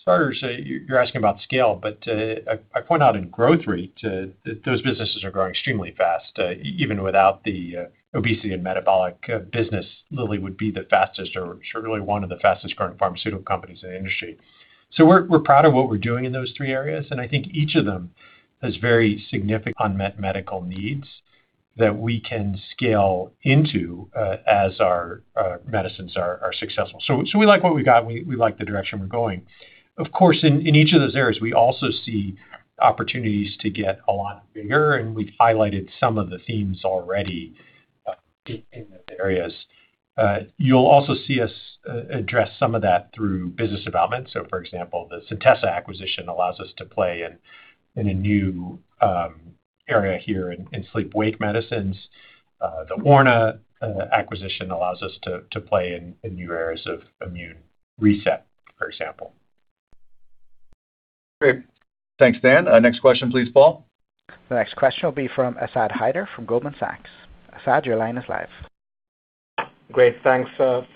start, you're asking about scale. I point out in growth rate, those businesses are growing extremely fast. Even without the obesity and metabolic business, Lilly would be the fastest or surely one of the fastest-growing pharmaceutical companies in the industry. We're proud of what we're doing in those three areas, and I think each of them has very significant unmet medical needs that we can scale into as our medicines are successful. We like what we got, and we like the direction we're going. Of course, in each of those areas, we also see opportunities to get a lot bigger, and we've highlighted some of the themes already in those areas. You'll also see us address some of that through business development. For example, the Centessa acquisition allows us to play in a new area here in sleep-wake medicines. The Orna acquisition allows us to play in new areas of immune reset, for example. Great. Thanks, Dan. Next question, please, Paul. The next question will be from Asad Haider from Goldman Sachs. Asad, your line is live. Great. Thanks for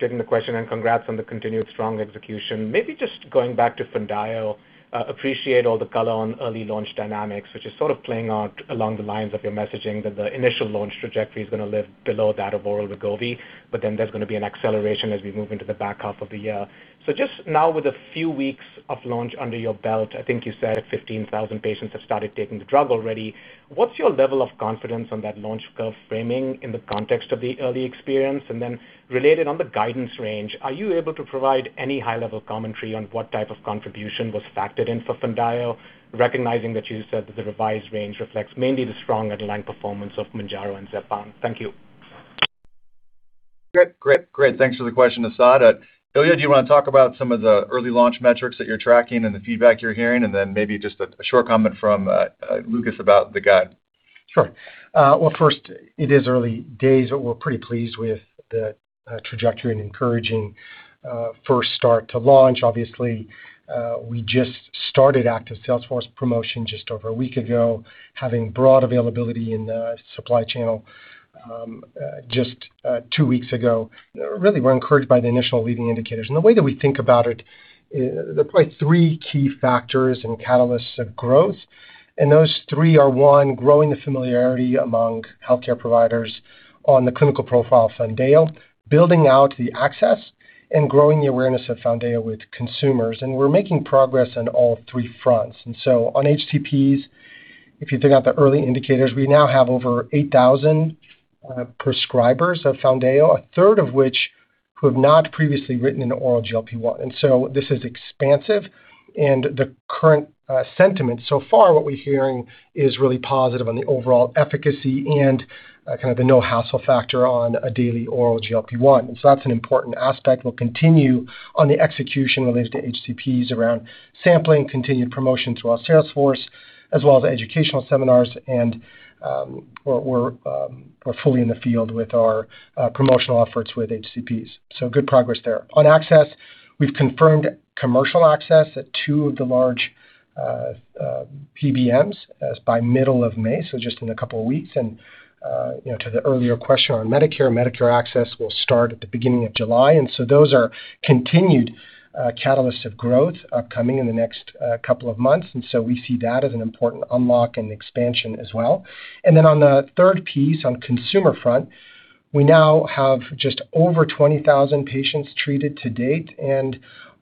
taking the question and congrats on the continued strong execution. Maybe just going back to Foundayo. Appreciate all the color on early launch dynamics, which is sort of playing out along the lines of your messaging that the initial launch trajectory is gonna live below that of oral Wegovy, but then there's gonna be an acceleration as we move into the back half of the year. Just now with a few weeks of launch under your belt, I think you said 15,000 patients have started taking the drug already. What's your level of confidence on that launch curve framing in the context of the early experience? Related on the guidance range, are you able to provide any high-level commentary on what type of contribution was factored in for Foundayo, recognizing that you said that the revised range reflects mainly the strong underlying performance of Mounjaro and Zepbound? Thank you. Great. Thanks for the question, Asad. Ilya, do you wanna talk about some of the early launch metrics that you're tracking and the feedback you're hearing? Then maybe just a short comment from Lucas about the guide. Sure. First it is early days. We're pretty pleased with the trajectory and encouraging first start to launch. Obviously, we just started active salesforce promotion just over a week ago, having broad availability in the supply channel just two weeks ago. Really, we're encouraged by the initial leading indicators. The way that we think about it, there are probably three key factors and catalysts of growth, and those three are, one, growing the familiarity among healthcare providers on the clinical profile of Foundayo, building out the access, and growing the awareness of Foundayo with consumers. We're making progress on all three fronts. On HCPs, if you take out the early indicators, we now have over 8,000 prescribers of Foundayo, a third of which who have not previously written an oral GLP-1. This is expansive and the current sentiment so far, what we're hearing is really positive on the overall efficacy and kind of the no-hassle factor on a daily oral GLP-1. That's an important aspect. We'll continue on the execution related to HCPs around sampling, continued promotion throughout salesforce, as well as educational seminars and we're fully in the field with our promotional efforts with HCPs. Good progress there. On access, we've confirmed commercial access at two of the large PBMs as by middle of May, just in a couple of weeks. You know, to the earlier question on Medicare access will start at the beginning of July. Those are continued catalysts of growth upcoming in the next couple of months. We see that as an important unlock and expansion as well. On the third piece, on consumer front, we now have just over 20,000 patients treated to date.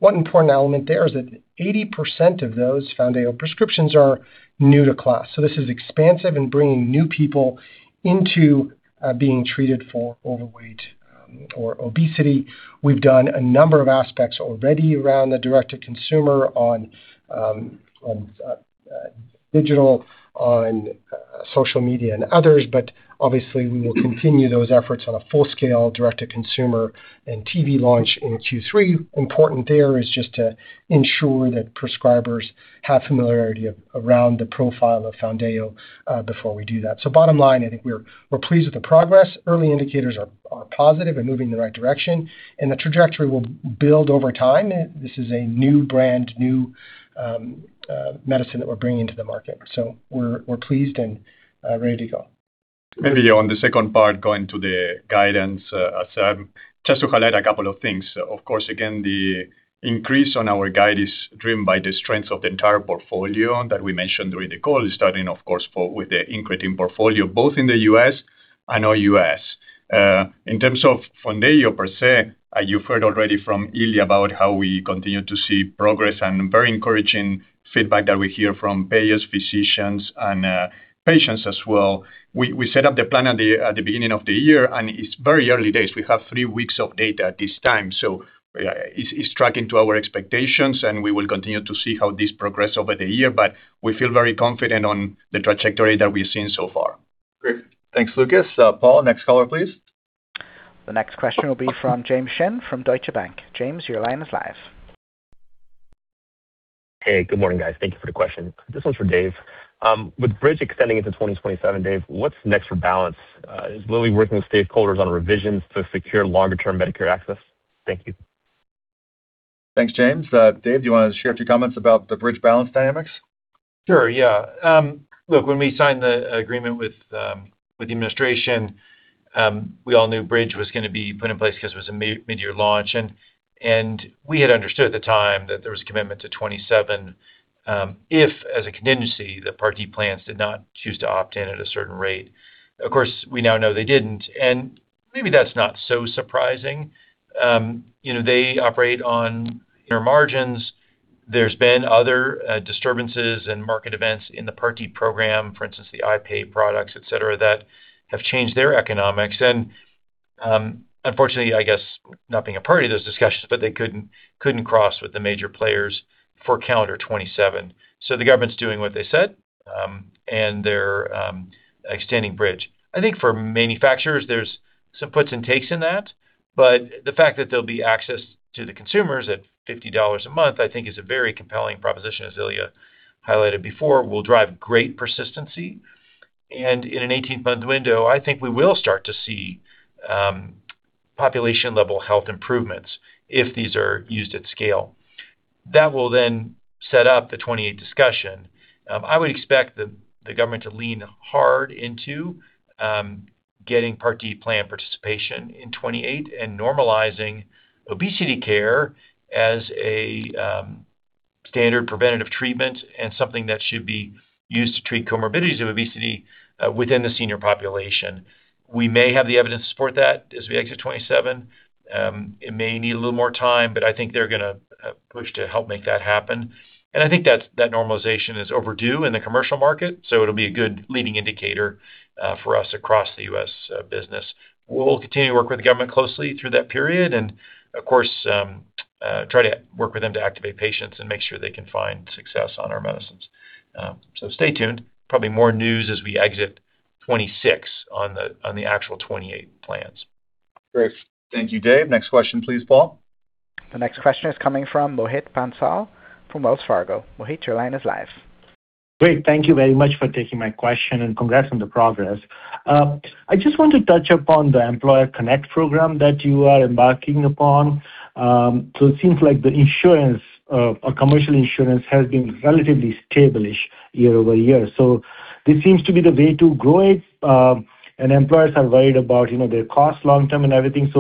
One important element there is that 80% of those Foundayo prescriptions are new to class. This is expansive in bringing new people into being treated for overweight or obesity. We've done a number of aspects already around the direct-to-consumer on digital, on social media and others, but obviously we will continue those efforts on a full-scale direct-to-consumer and TV launch in Q3. Important there is just to ensure that prescribers have familiarity around the profile of Foundayo before we do that. Bottom line, I think we're pleased with the progress. Early indicators are positive and moving in the right direction, and the trajectory will build over time. This is a new brand, medicine that we're bringing to the market. We're pleased and ready to go. Maybe on the second part, going to the guidance, Asad, just to highlight a couple of things. Again, the increase on our guide is driven by the strength of the entire portfolio that we mentioned during the call, starting of course, with the increasing portfolio both in the U.S. and our U.S. In terms of Foundayo per se, you've heard already from Ilya about how we continue to see progress and very encouraging feedback that we hear from payers, physicians and patients as well. We set up the plan at the beginning of the year, it's very early days. We have three weeks of data at this time, so it's tracking to our expectations, we will continue to see how this progress over the year. We feel very confident on the trajectory that we've seen so far. Great. Thanks, Lucas. Paul, next caller, please. The next question will be from James Shin from Deutsche Bank. James, your line is live. Hey, good morning, guys. Thank you for the question. This one's for Dave. With Bridge extending into 2027, Dave, what's next for Balance? Is Lilly working with stakeholders on a revision to secure longer-term Medicare access? Thank you. Thanks, James. Dave, do you wanna share a few comments about the Bridge Balance dynamics? Sure, yeah. When we signed the agreement with the administration, we all knew Bridge was gonna be put in place 'cause it was a mid-year launch. We had understood at the time that there was a commitment to 2027, if as a contingency, the Part D plans did not choose to opt in at a certain rate. Of course, we now know they didn't, and maybe that's not so surprising. You know, they operate on their margins. There's been other disturbances and market events in the Part D program, for instance, the IPAY products, et cetera, that have changed their economics. Unfortunately, I guess not being a part of those discussions, but they couldn't cross with the major players for calendar 2027. The government's doing what they said, and they're extending Bridge. I think, for manufacturers there's some puts and takes in that, the fact that there'll be access to the consumers at $50 a month, I think is a very compelling proposition, as Ilya highlighted before, will drive great persistency. In an 18-month window, I think we will start to see population-level health improvements if these are used at scale. That will then set up the 2028 discussion. I would expect the government to lean hard into getting Part D plan participation in 2028 and normalizing obesity care as a standard preventative treatment and something that should be used to treat comorbidities of obesity within the senior population. We may have the evidence to support that as we exit 2027. It may need a little more time, but I think they're gonna push to help make that happen. I think that's, that normalization is overdue in the commercial market, so it'll be a good leading indicator for us across the U.S. business. We'll continue to work with the government closely through that period and, of course, try to work with them to activate patients and make sure they can find success on our medicines. Stay tuned. Probably more news as we exit 2026 on the, on the actual 2028 plans. Great. Thank you, Dave. Next question please, Paul. The next question is coming from Mohit Bansal from Wells Fargo. Mohit, your line is live. Great. Thank you very much for taking my question, and congrats on the progress. I just want to touch upon the Employer Connect program that you are embarking upon. It seems like the insurance, or commercial insurance has been relatively stable-ish year-over-year. This seems to be the way to grow it. Employers are worried about, you know, their cost long-term and everything.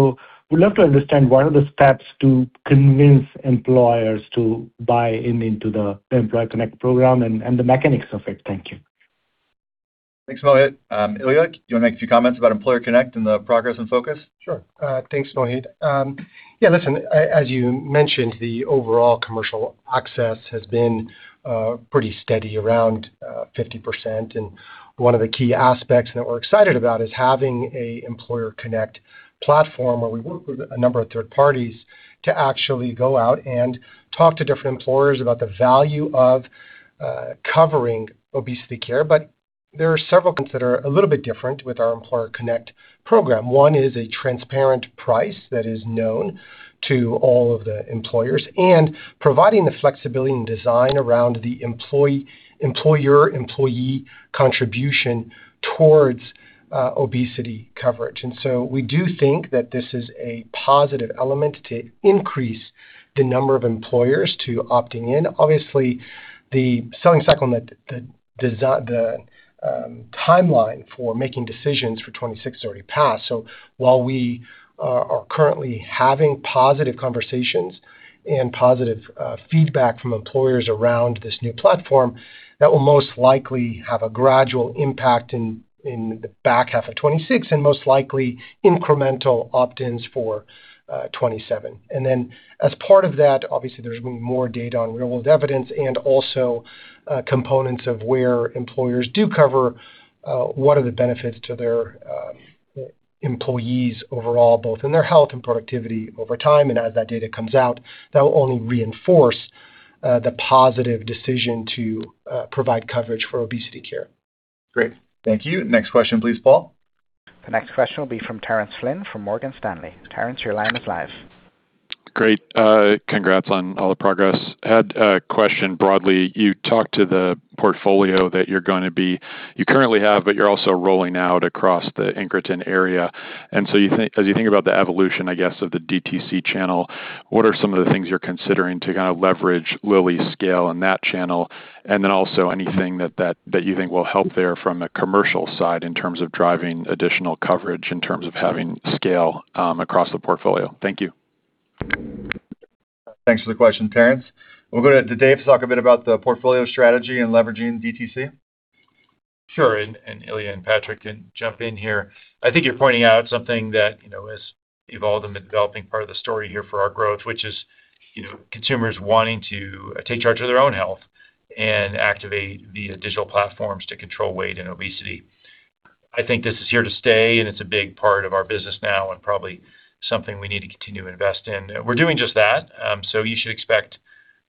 Would love to understand what are the steps to convince employers to buy in into the Employer Connect program and the mechanics of it. Thank you. Thanks, Mohit. Ilya, do you want to make a few comments about Employer Connect and the progress and focus? Sure. thanks, Mohit. Yeah, listen, as you mentioned, the overall commercial access has been pretty steady around 50%. One of the key aspects that we're excited about is having a Employer Connect platform where we work with a number of third parties to actually go out and talk to different employers about the value of covering obesity care. There are several things that are a little bit different with our Employer Connect program. One is a transparent price that is known to all of the employers and providing the flexibility and design around the employee, employer-employee contribution towards obesity coverage. We do think that this is a positive element to increase the number of employers to opting in. Obviously, the selling cycle on the timeline for making decisions for 2026 has already passed. While we are currently having positive conversations and positive feedback from employers around this new platform, that will most likely have a gradual impact in the back half of 2026 and most likely incremental opt-ins for 2027. As part of that, obviously, there's been more data on real-world evidence and also components of where employers do cover, what are the benefits to their employees overall, both in their health and productivity over time. As that data comes out, that will only reinforce the positive decision to provide coverage for obesity care. Great. Thank you. Next question, please, Paul. The next question will be from Terence Flynn from Morgan Stanley. Terence, your line is live. Great. congrats on all the progress. Had a question broadly. You talked to the portfolio that you currently have, but you're also rolling out across the incretin area. as you think about the evolution, I guess, of the DTC channel, what are some of the things you're considering to kind of leverage Lilly's scale in that channel? also anything that you think will help there from the commercial side in terms of driving additional coverage in terms of having scale across the portfolio. Thank you. Thanks for the question, Terence. We'll go to Dave to talk a bit about the portfolio strategy and leveraging DTC. Sure. Ilya and Patrik can jump in here. I think you're pointing out something that, you know, has evolved and been developing part of the story here for our growth, which is, you know, consumers wanting to take charge of their own health and activate the digital platforms to control weight and obesity. I think this is here to stay, and it's a big part of our business now and probably something we need to continue to invest in. We're doing just that. You should expect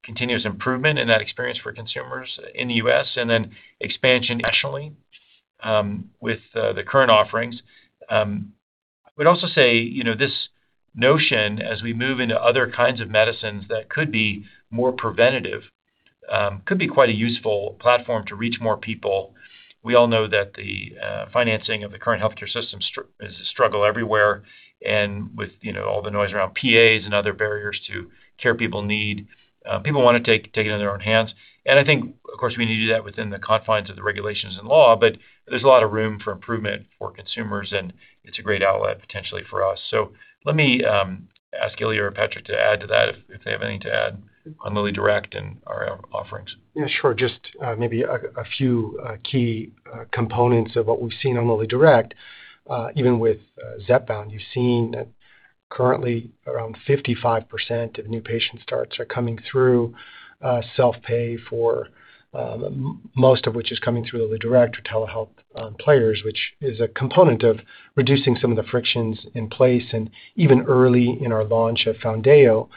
continuous improvement in that experience for consumers in the U.S. and then expansion nationally with the current offerings. I would also say, you know, this notion as we move into other kinds of medicines that could be more preventative could be quite a useful platform to reach more people. We all know that the financing of the current healthcare system is a struggle everywhere, and with, you know, all the noise around PAs and other barriers to care people need, people wanna take it in their own hands. I think, of course, we need to do that within the confines of the regulations and law, but there's a lot of room for improvement for consumers, and it's a great outlet potentially for us. Let me ask Ilya or Patrik to add to that if they have anything to add on LillyDirect and our offerings. Yeah, sure. Just maybe a few key components of what we've seen on LillyDirect. Even with Zepbound, you've seen that currently around 55% of new patient starts are coming through self-pay for most of which is coming through LillyDirect or telehealth players, which is a component of reducing some of the frictions in place. Even early in our launch of Foundayo,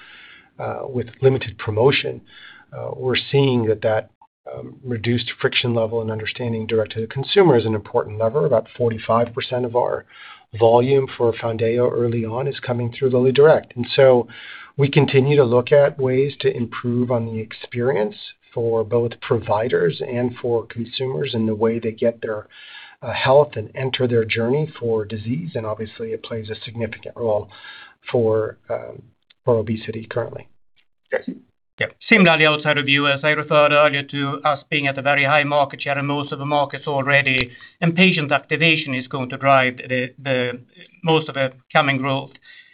with limited promotion, we're seeing that that reduced friction level and understanding direct to the consumer is an important lever. About 45% of our volume for Foundayo early on is coming through LillyDirect. We continue to look at ways to improve on the experience for both providers and for consumers in the way they get their health and enter their journey for disease, and obviously, it plays a significant role for obesity currently. Yeah. Similarly, outside of U.S., I referred earlier to us being at a very high market share in most of the markets already, and patient activation is going to drive the most of the coming growth.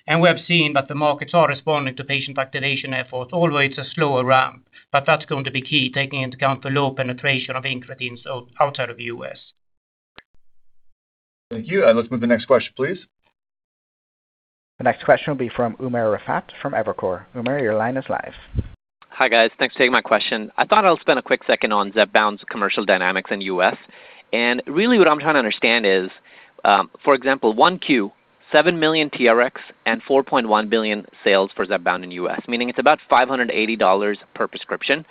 We have seen that the markets are responding to patient activation effort, although it's a slower ramp. That's going to be key, taking into account the low penetration of incretins outside of U.S. Thank you. Let's move to the next question, please. The next question will be from Umer Raffat from Evercore. Umer, your line is live. Hi, guys. Thanks for taking my question. I thought I'll spend a quick second on Zepbound's commercial dynamics in U.S. Really what I'm trying to understand is, for example, 1Q, 7 million TRx and $4.1 billion sales for Zepbound in U.S., meaning it's about $580 per prescription.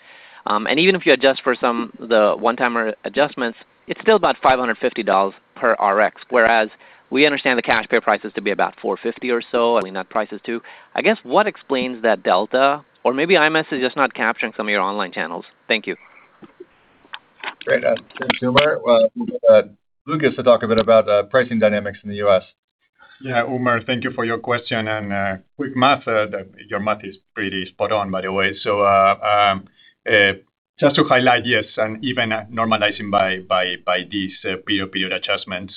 Even if you adjust for the one-timer adjustments, it's still about $550 per Rx. Whereas we understand the cash pay prices to be about $450 or so, I mean, net prices too. I guess what explains that delta? Or maybe IMS is just not capturing some of your online channels. Thank you. Great. thanks, Umer. Well, Lucas gets to talk a bit about pricing dynamics in the U.S. Umer, thank you for your question, quick math. Your math is pretty spot on, by the way. Just to highlight, yes, even normalizing by these period to period adjustments.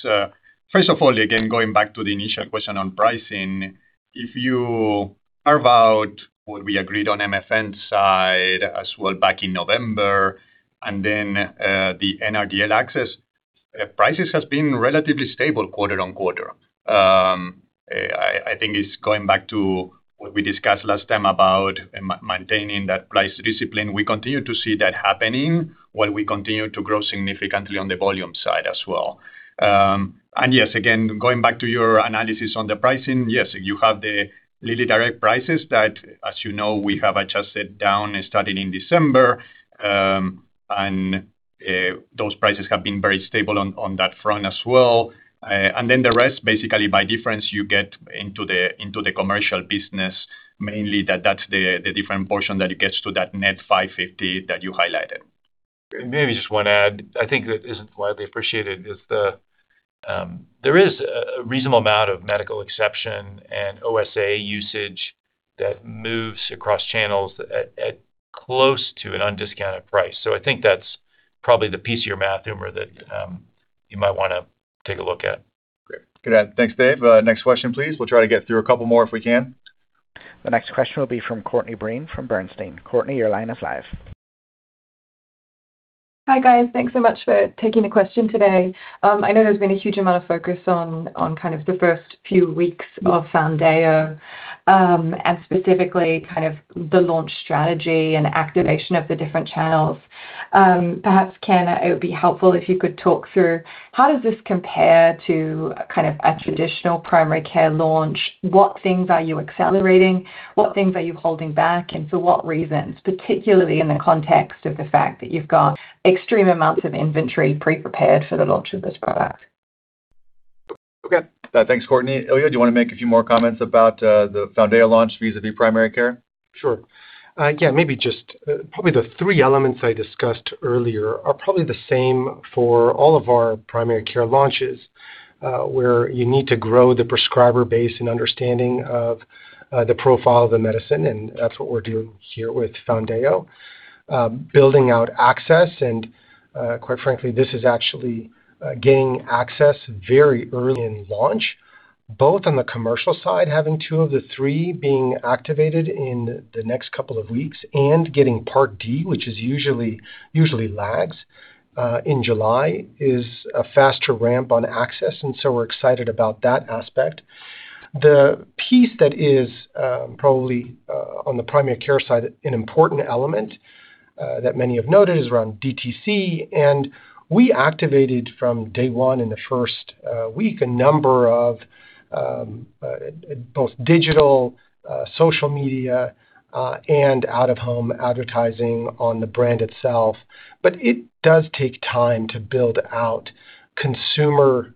First of all, again, going back to the initial question on pricing, if you carve out what we agreed on MFN side as well back in November, then the NRDL access prices has been relatively stable quarter-on-quarter. I think it's going back to what we discussed last time about maintaining that price discipline. We continue to see that happening while we continue to grow significantly on the volume side as well. Yes, again, going back to your analysis on the pricing, yes, you have the LillyDirect prices that, as you know, we have adjusted down starting in December. Those prices have been very stable on that front as well. Then the rest, basically by difference, you get into the commercial business, mainly that's the different portion that it gets to that net $550 that you highlighted. Maybe just one add. I think that isn't widely appreciated is the, there is a reasonable amount of medical exception and OSA usage that moves across channels at close to an undiscounted price. I think that's probably the piece of your math, Umer, that, you might wanna take a look at. Great. Good add. Thanks, Dave. Next question, please. We'll try to get through a couple more if we can. The next question will be from Courtney Breen from Bernstein. Courtney, your line is live. Hi, guys. Thanks so much for taking the question today. I know there's been a huge amount of focus on kind of the first few weeks of Foundayo, and specifically kind of the launch strategy and activation of the different channels. Perhaps, Ken, it would be helpful if you could talk through how does this compare to kind of a traditional primary care launch? What things are you accelerating? What things are you holding back? For what reasons, particularly in the context of the fact that you've got extreme amounts of inventory pre-prepared for the launch of this product? Okay. Thanks, Courtney. Ilya, do you want to make a few more comments about the Foundayo launch vis-à-vis primary care? Sure. Yeah, maybe just probably the three elements I discussed earlier are probably the same for all of our primary care launches, where you need to grow the prescriber base and understanding of the profile of the medicine, and that's what we're doing here with Foundayo. Building out access, and quite frankly, this is actually gaining access very early in launch, both on the commercial side, having two of the three being activated in the next couple of weeks and getting Part D, which is usually lags in July, is a faster ramp on access, and so we're excited about that aspect. The piece that is probably on the primary care side, an important element, that many have noted is around DTC. We activated from day one in the first week, a number of both digital, social media, and out-of-home advertising on the brand itself. It does take time to build out consumer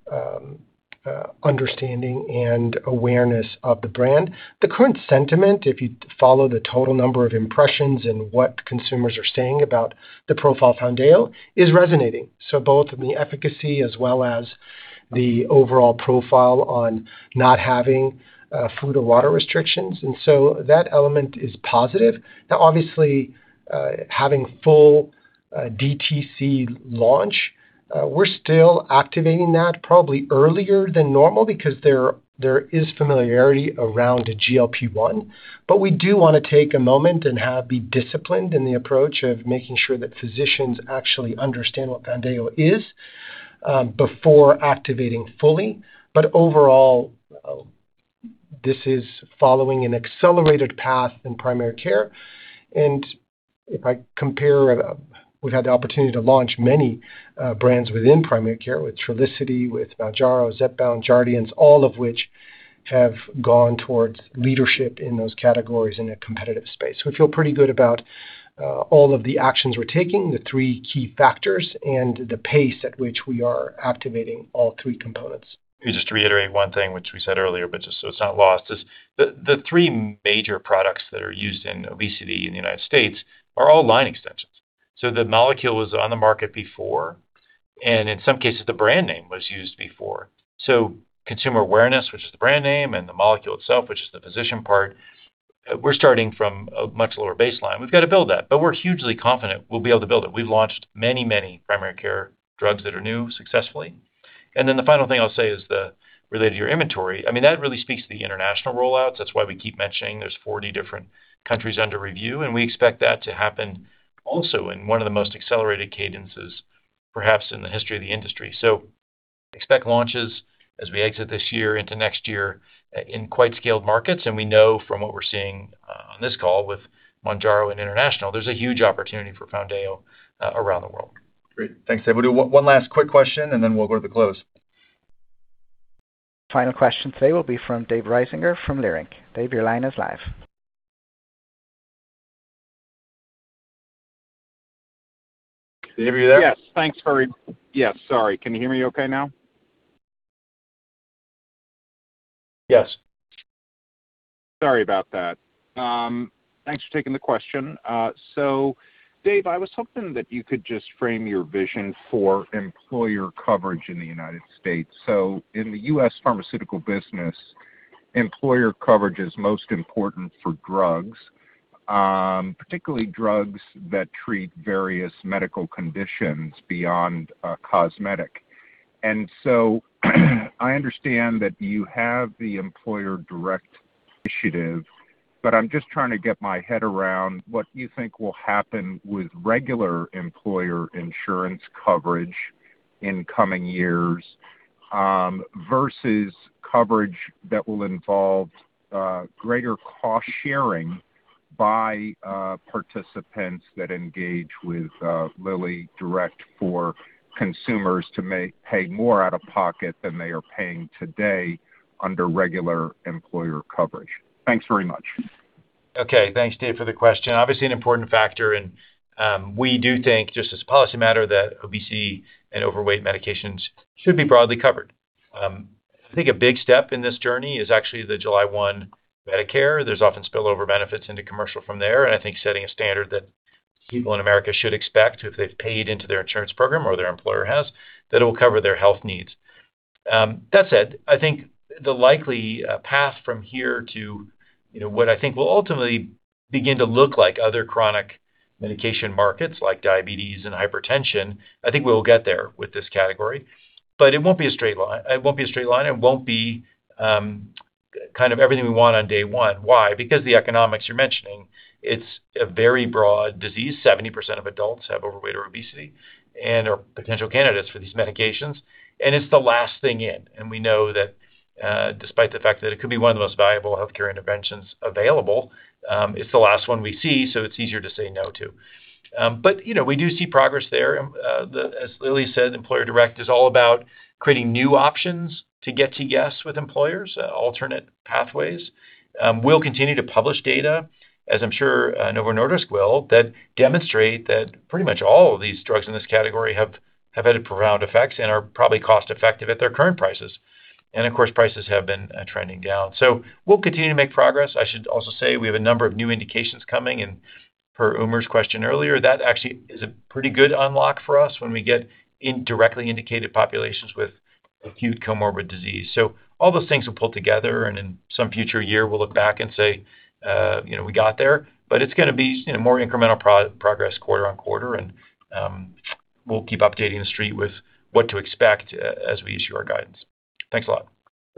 understanding and awareness of the brand. The current sentiment, if you follow the total number of impressions and what consumers are saying about the profile of Foundayo, is resonating. Both from the efficacy as well as the overall profile on not having food or water restrictions. That element is positive. Now, obviously, having full DTC launch, we're still activating that probably earlier than normal because there is familiarity around the GLP-1. We do want to take a moment and be disciplined in the approach of making sure that physicians actually understand what Foundayo is before activating fully. Overall, this is following an accelerated path in primary care. If I compare, we've had the opportunity to launch many brands within primary care with Trulicity, with Mounjaro, Zepbound, Jardiance, all of which have gone towards leadership in those categories in a competitive space. We feel pretty good about all of the actions we're taking, the three key factors and the pace at which we are activating all three components. Just to reiterate one thing, which we said earlier, but just so it's not lost, is the three major products that are used in obesity in the United States. are all line extensions. The molecule was on the market before, and in some cases, the brand name was used before. Consumer awareness, which is the brand name, and the molecule itself, which is the physician part, we're starting from a much lower baseline. We've got to build that, but we're hugely confident we'll be able to build it. We've launched many primary care drugs that are new successfully. The final thing I'll say is related to your inventory, I mean, that really speaks to the international rollouts. That's why we keep mentioning there's 40 different countries under review. We expect that to happen also in one of the most accelerated cadences, perhaps in the history of the industry. Expect launches as we exit this year into next year in quite scaled markets. We know from what we're seeing on this call with Mounjaro and international, there's a huge opportunity for Foundayo around the world. Great. Thanks, Dave. We'll do one last quick question, and then we'll go to the close. Final question today will be from Dave Risinger from Leerink Partners. Can you hear me there? Yes. Yes, sorry. Can you hear me okay now? Yes. Sorry about that. Thanks for taking the question. Dave, I was hoping that you could just frame your vision for employer coverage in the U.S. In the U.S. pharmaceutical business, employer coverage is most important for drugs, particularly drugs that treat various medical conditions beyond cosmetic. I understand that you have the Employer Direct Initiative, but I am just trying to get my head around what you think will happen with regular employer insurance coverage in coming years, versus coverage that will involve greater cost-sharing by participants that engage with LillyDirect for consumers to pay more out-of-pocket than they are paying today under regular employer coverage. Thanks very much. Okay. Thanks, Dave, for the question. Obviously an important factor, we do think just as a policy matter that obesity and overweight medications should be broadly covered. I think a big step in this journey is actually the July one Medicare. There's often spillover benefits into commercial from there, I think setting a standard that people in America should expect if they've paid into their insurance program or their employer has, that it will cover their health needs. That said, I think the likely path from here to, you know, what I think will ultimately begin to look like other chronic medication markets like diabetes and hypertension, I think we'll get there with this category. It won't be a straight line. It won't be a straight line. It won't be kind of everything we want on day one. Why? The economics you're mentioning, it's a very broad disease. 70% of adults have overweight or obesity and are potential candidates for these medications, it's the last thing in. We know that, despite the fact that it could be one of the most valuable healthcare interventions available, it's the last one we see, it's easier to say no to. You know, we do see progress there. As Lilly said, employer direct is all about creating new options to get to yes with employers, alternate pathways. We'll continue to publish data, as I'm sure, Novo Nordisk will, that demonstrate that pretty much all of these drugs in this category have had profound effects and are probably cost-effective at their current prices. Of course, prices have been trending down. We'll continue to make progress. I should also say we have a number of new indications coming and per Umer's question earlier, that actually is a pretty good unlock for us when we get indirectly indicated populations with acute comorbid disease. All those things will pull together and in some future year we'll look back and say, you know, "We got there." It's gonna be, you know, more incremental progress quarter-on-quarter and, we'll keep updating the street with what to expect as we issue our guidance. Thanks a lot.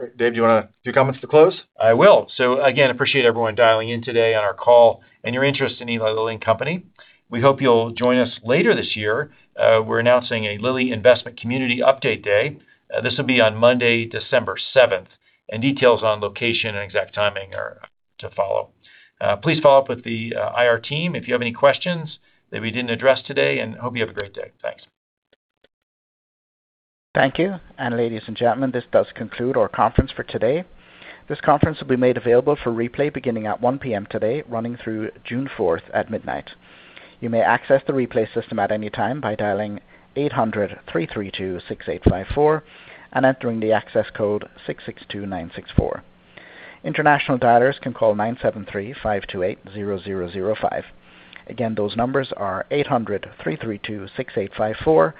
Great. Dave, do you wanna do comments to close? I will. Again, appreciate everyone dialing in today on our call and your interest in Eli Lilly and Company. We hope you'll join us later this year. We're announcing a Lilly Investment Community Update Day. This will be on Monday, December seventh, and details on location and exact timing are to follow. Please follow up with the IR team if you have any questions that we didn't address today, and hope you have a great day. Thanks. Thank you. Ladies and gentlemen, this does conclude our conference for today. This conference will be made available for replay beginning at 1:00 P.M. today, running through June 4th at midnight. You may access the replay system at any time by dialing 800-332-6854 and entering the access code 662964. International dialers can call 973-528-0005. Again, those numbers are 800-332-6854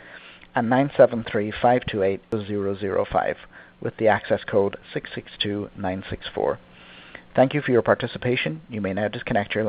and 973-528-0005 with the access code 662964. Thank you for your participation. You may now disconnect your lines.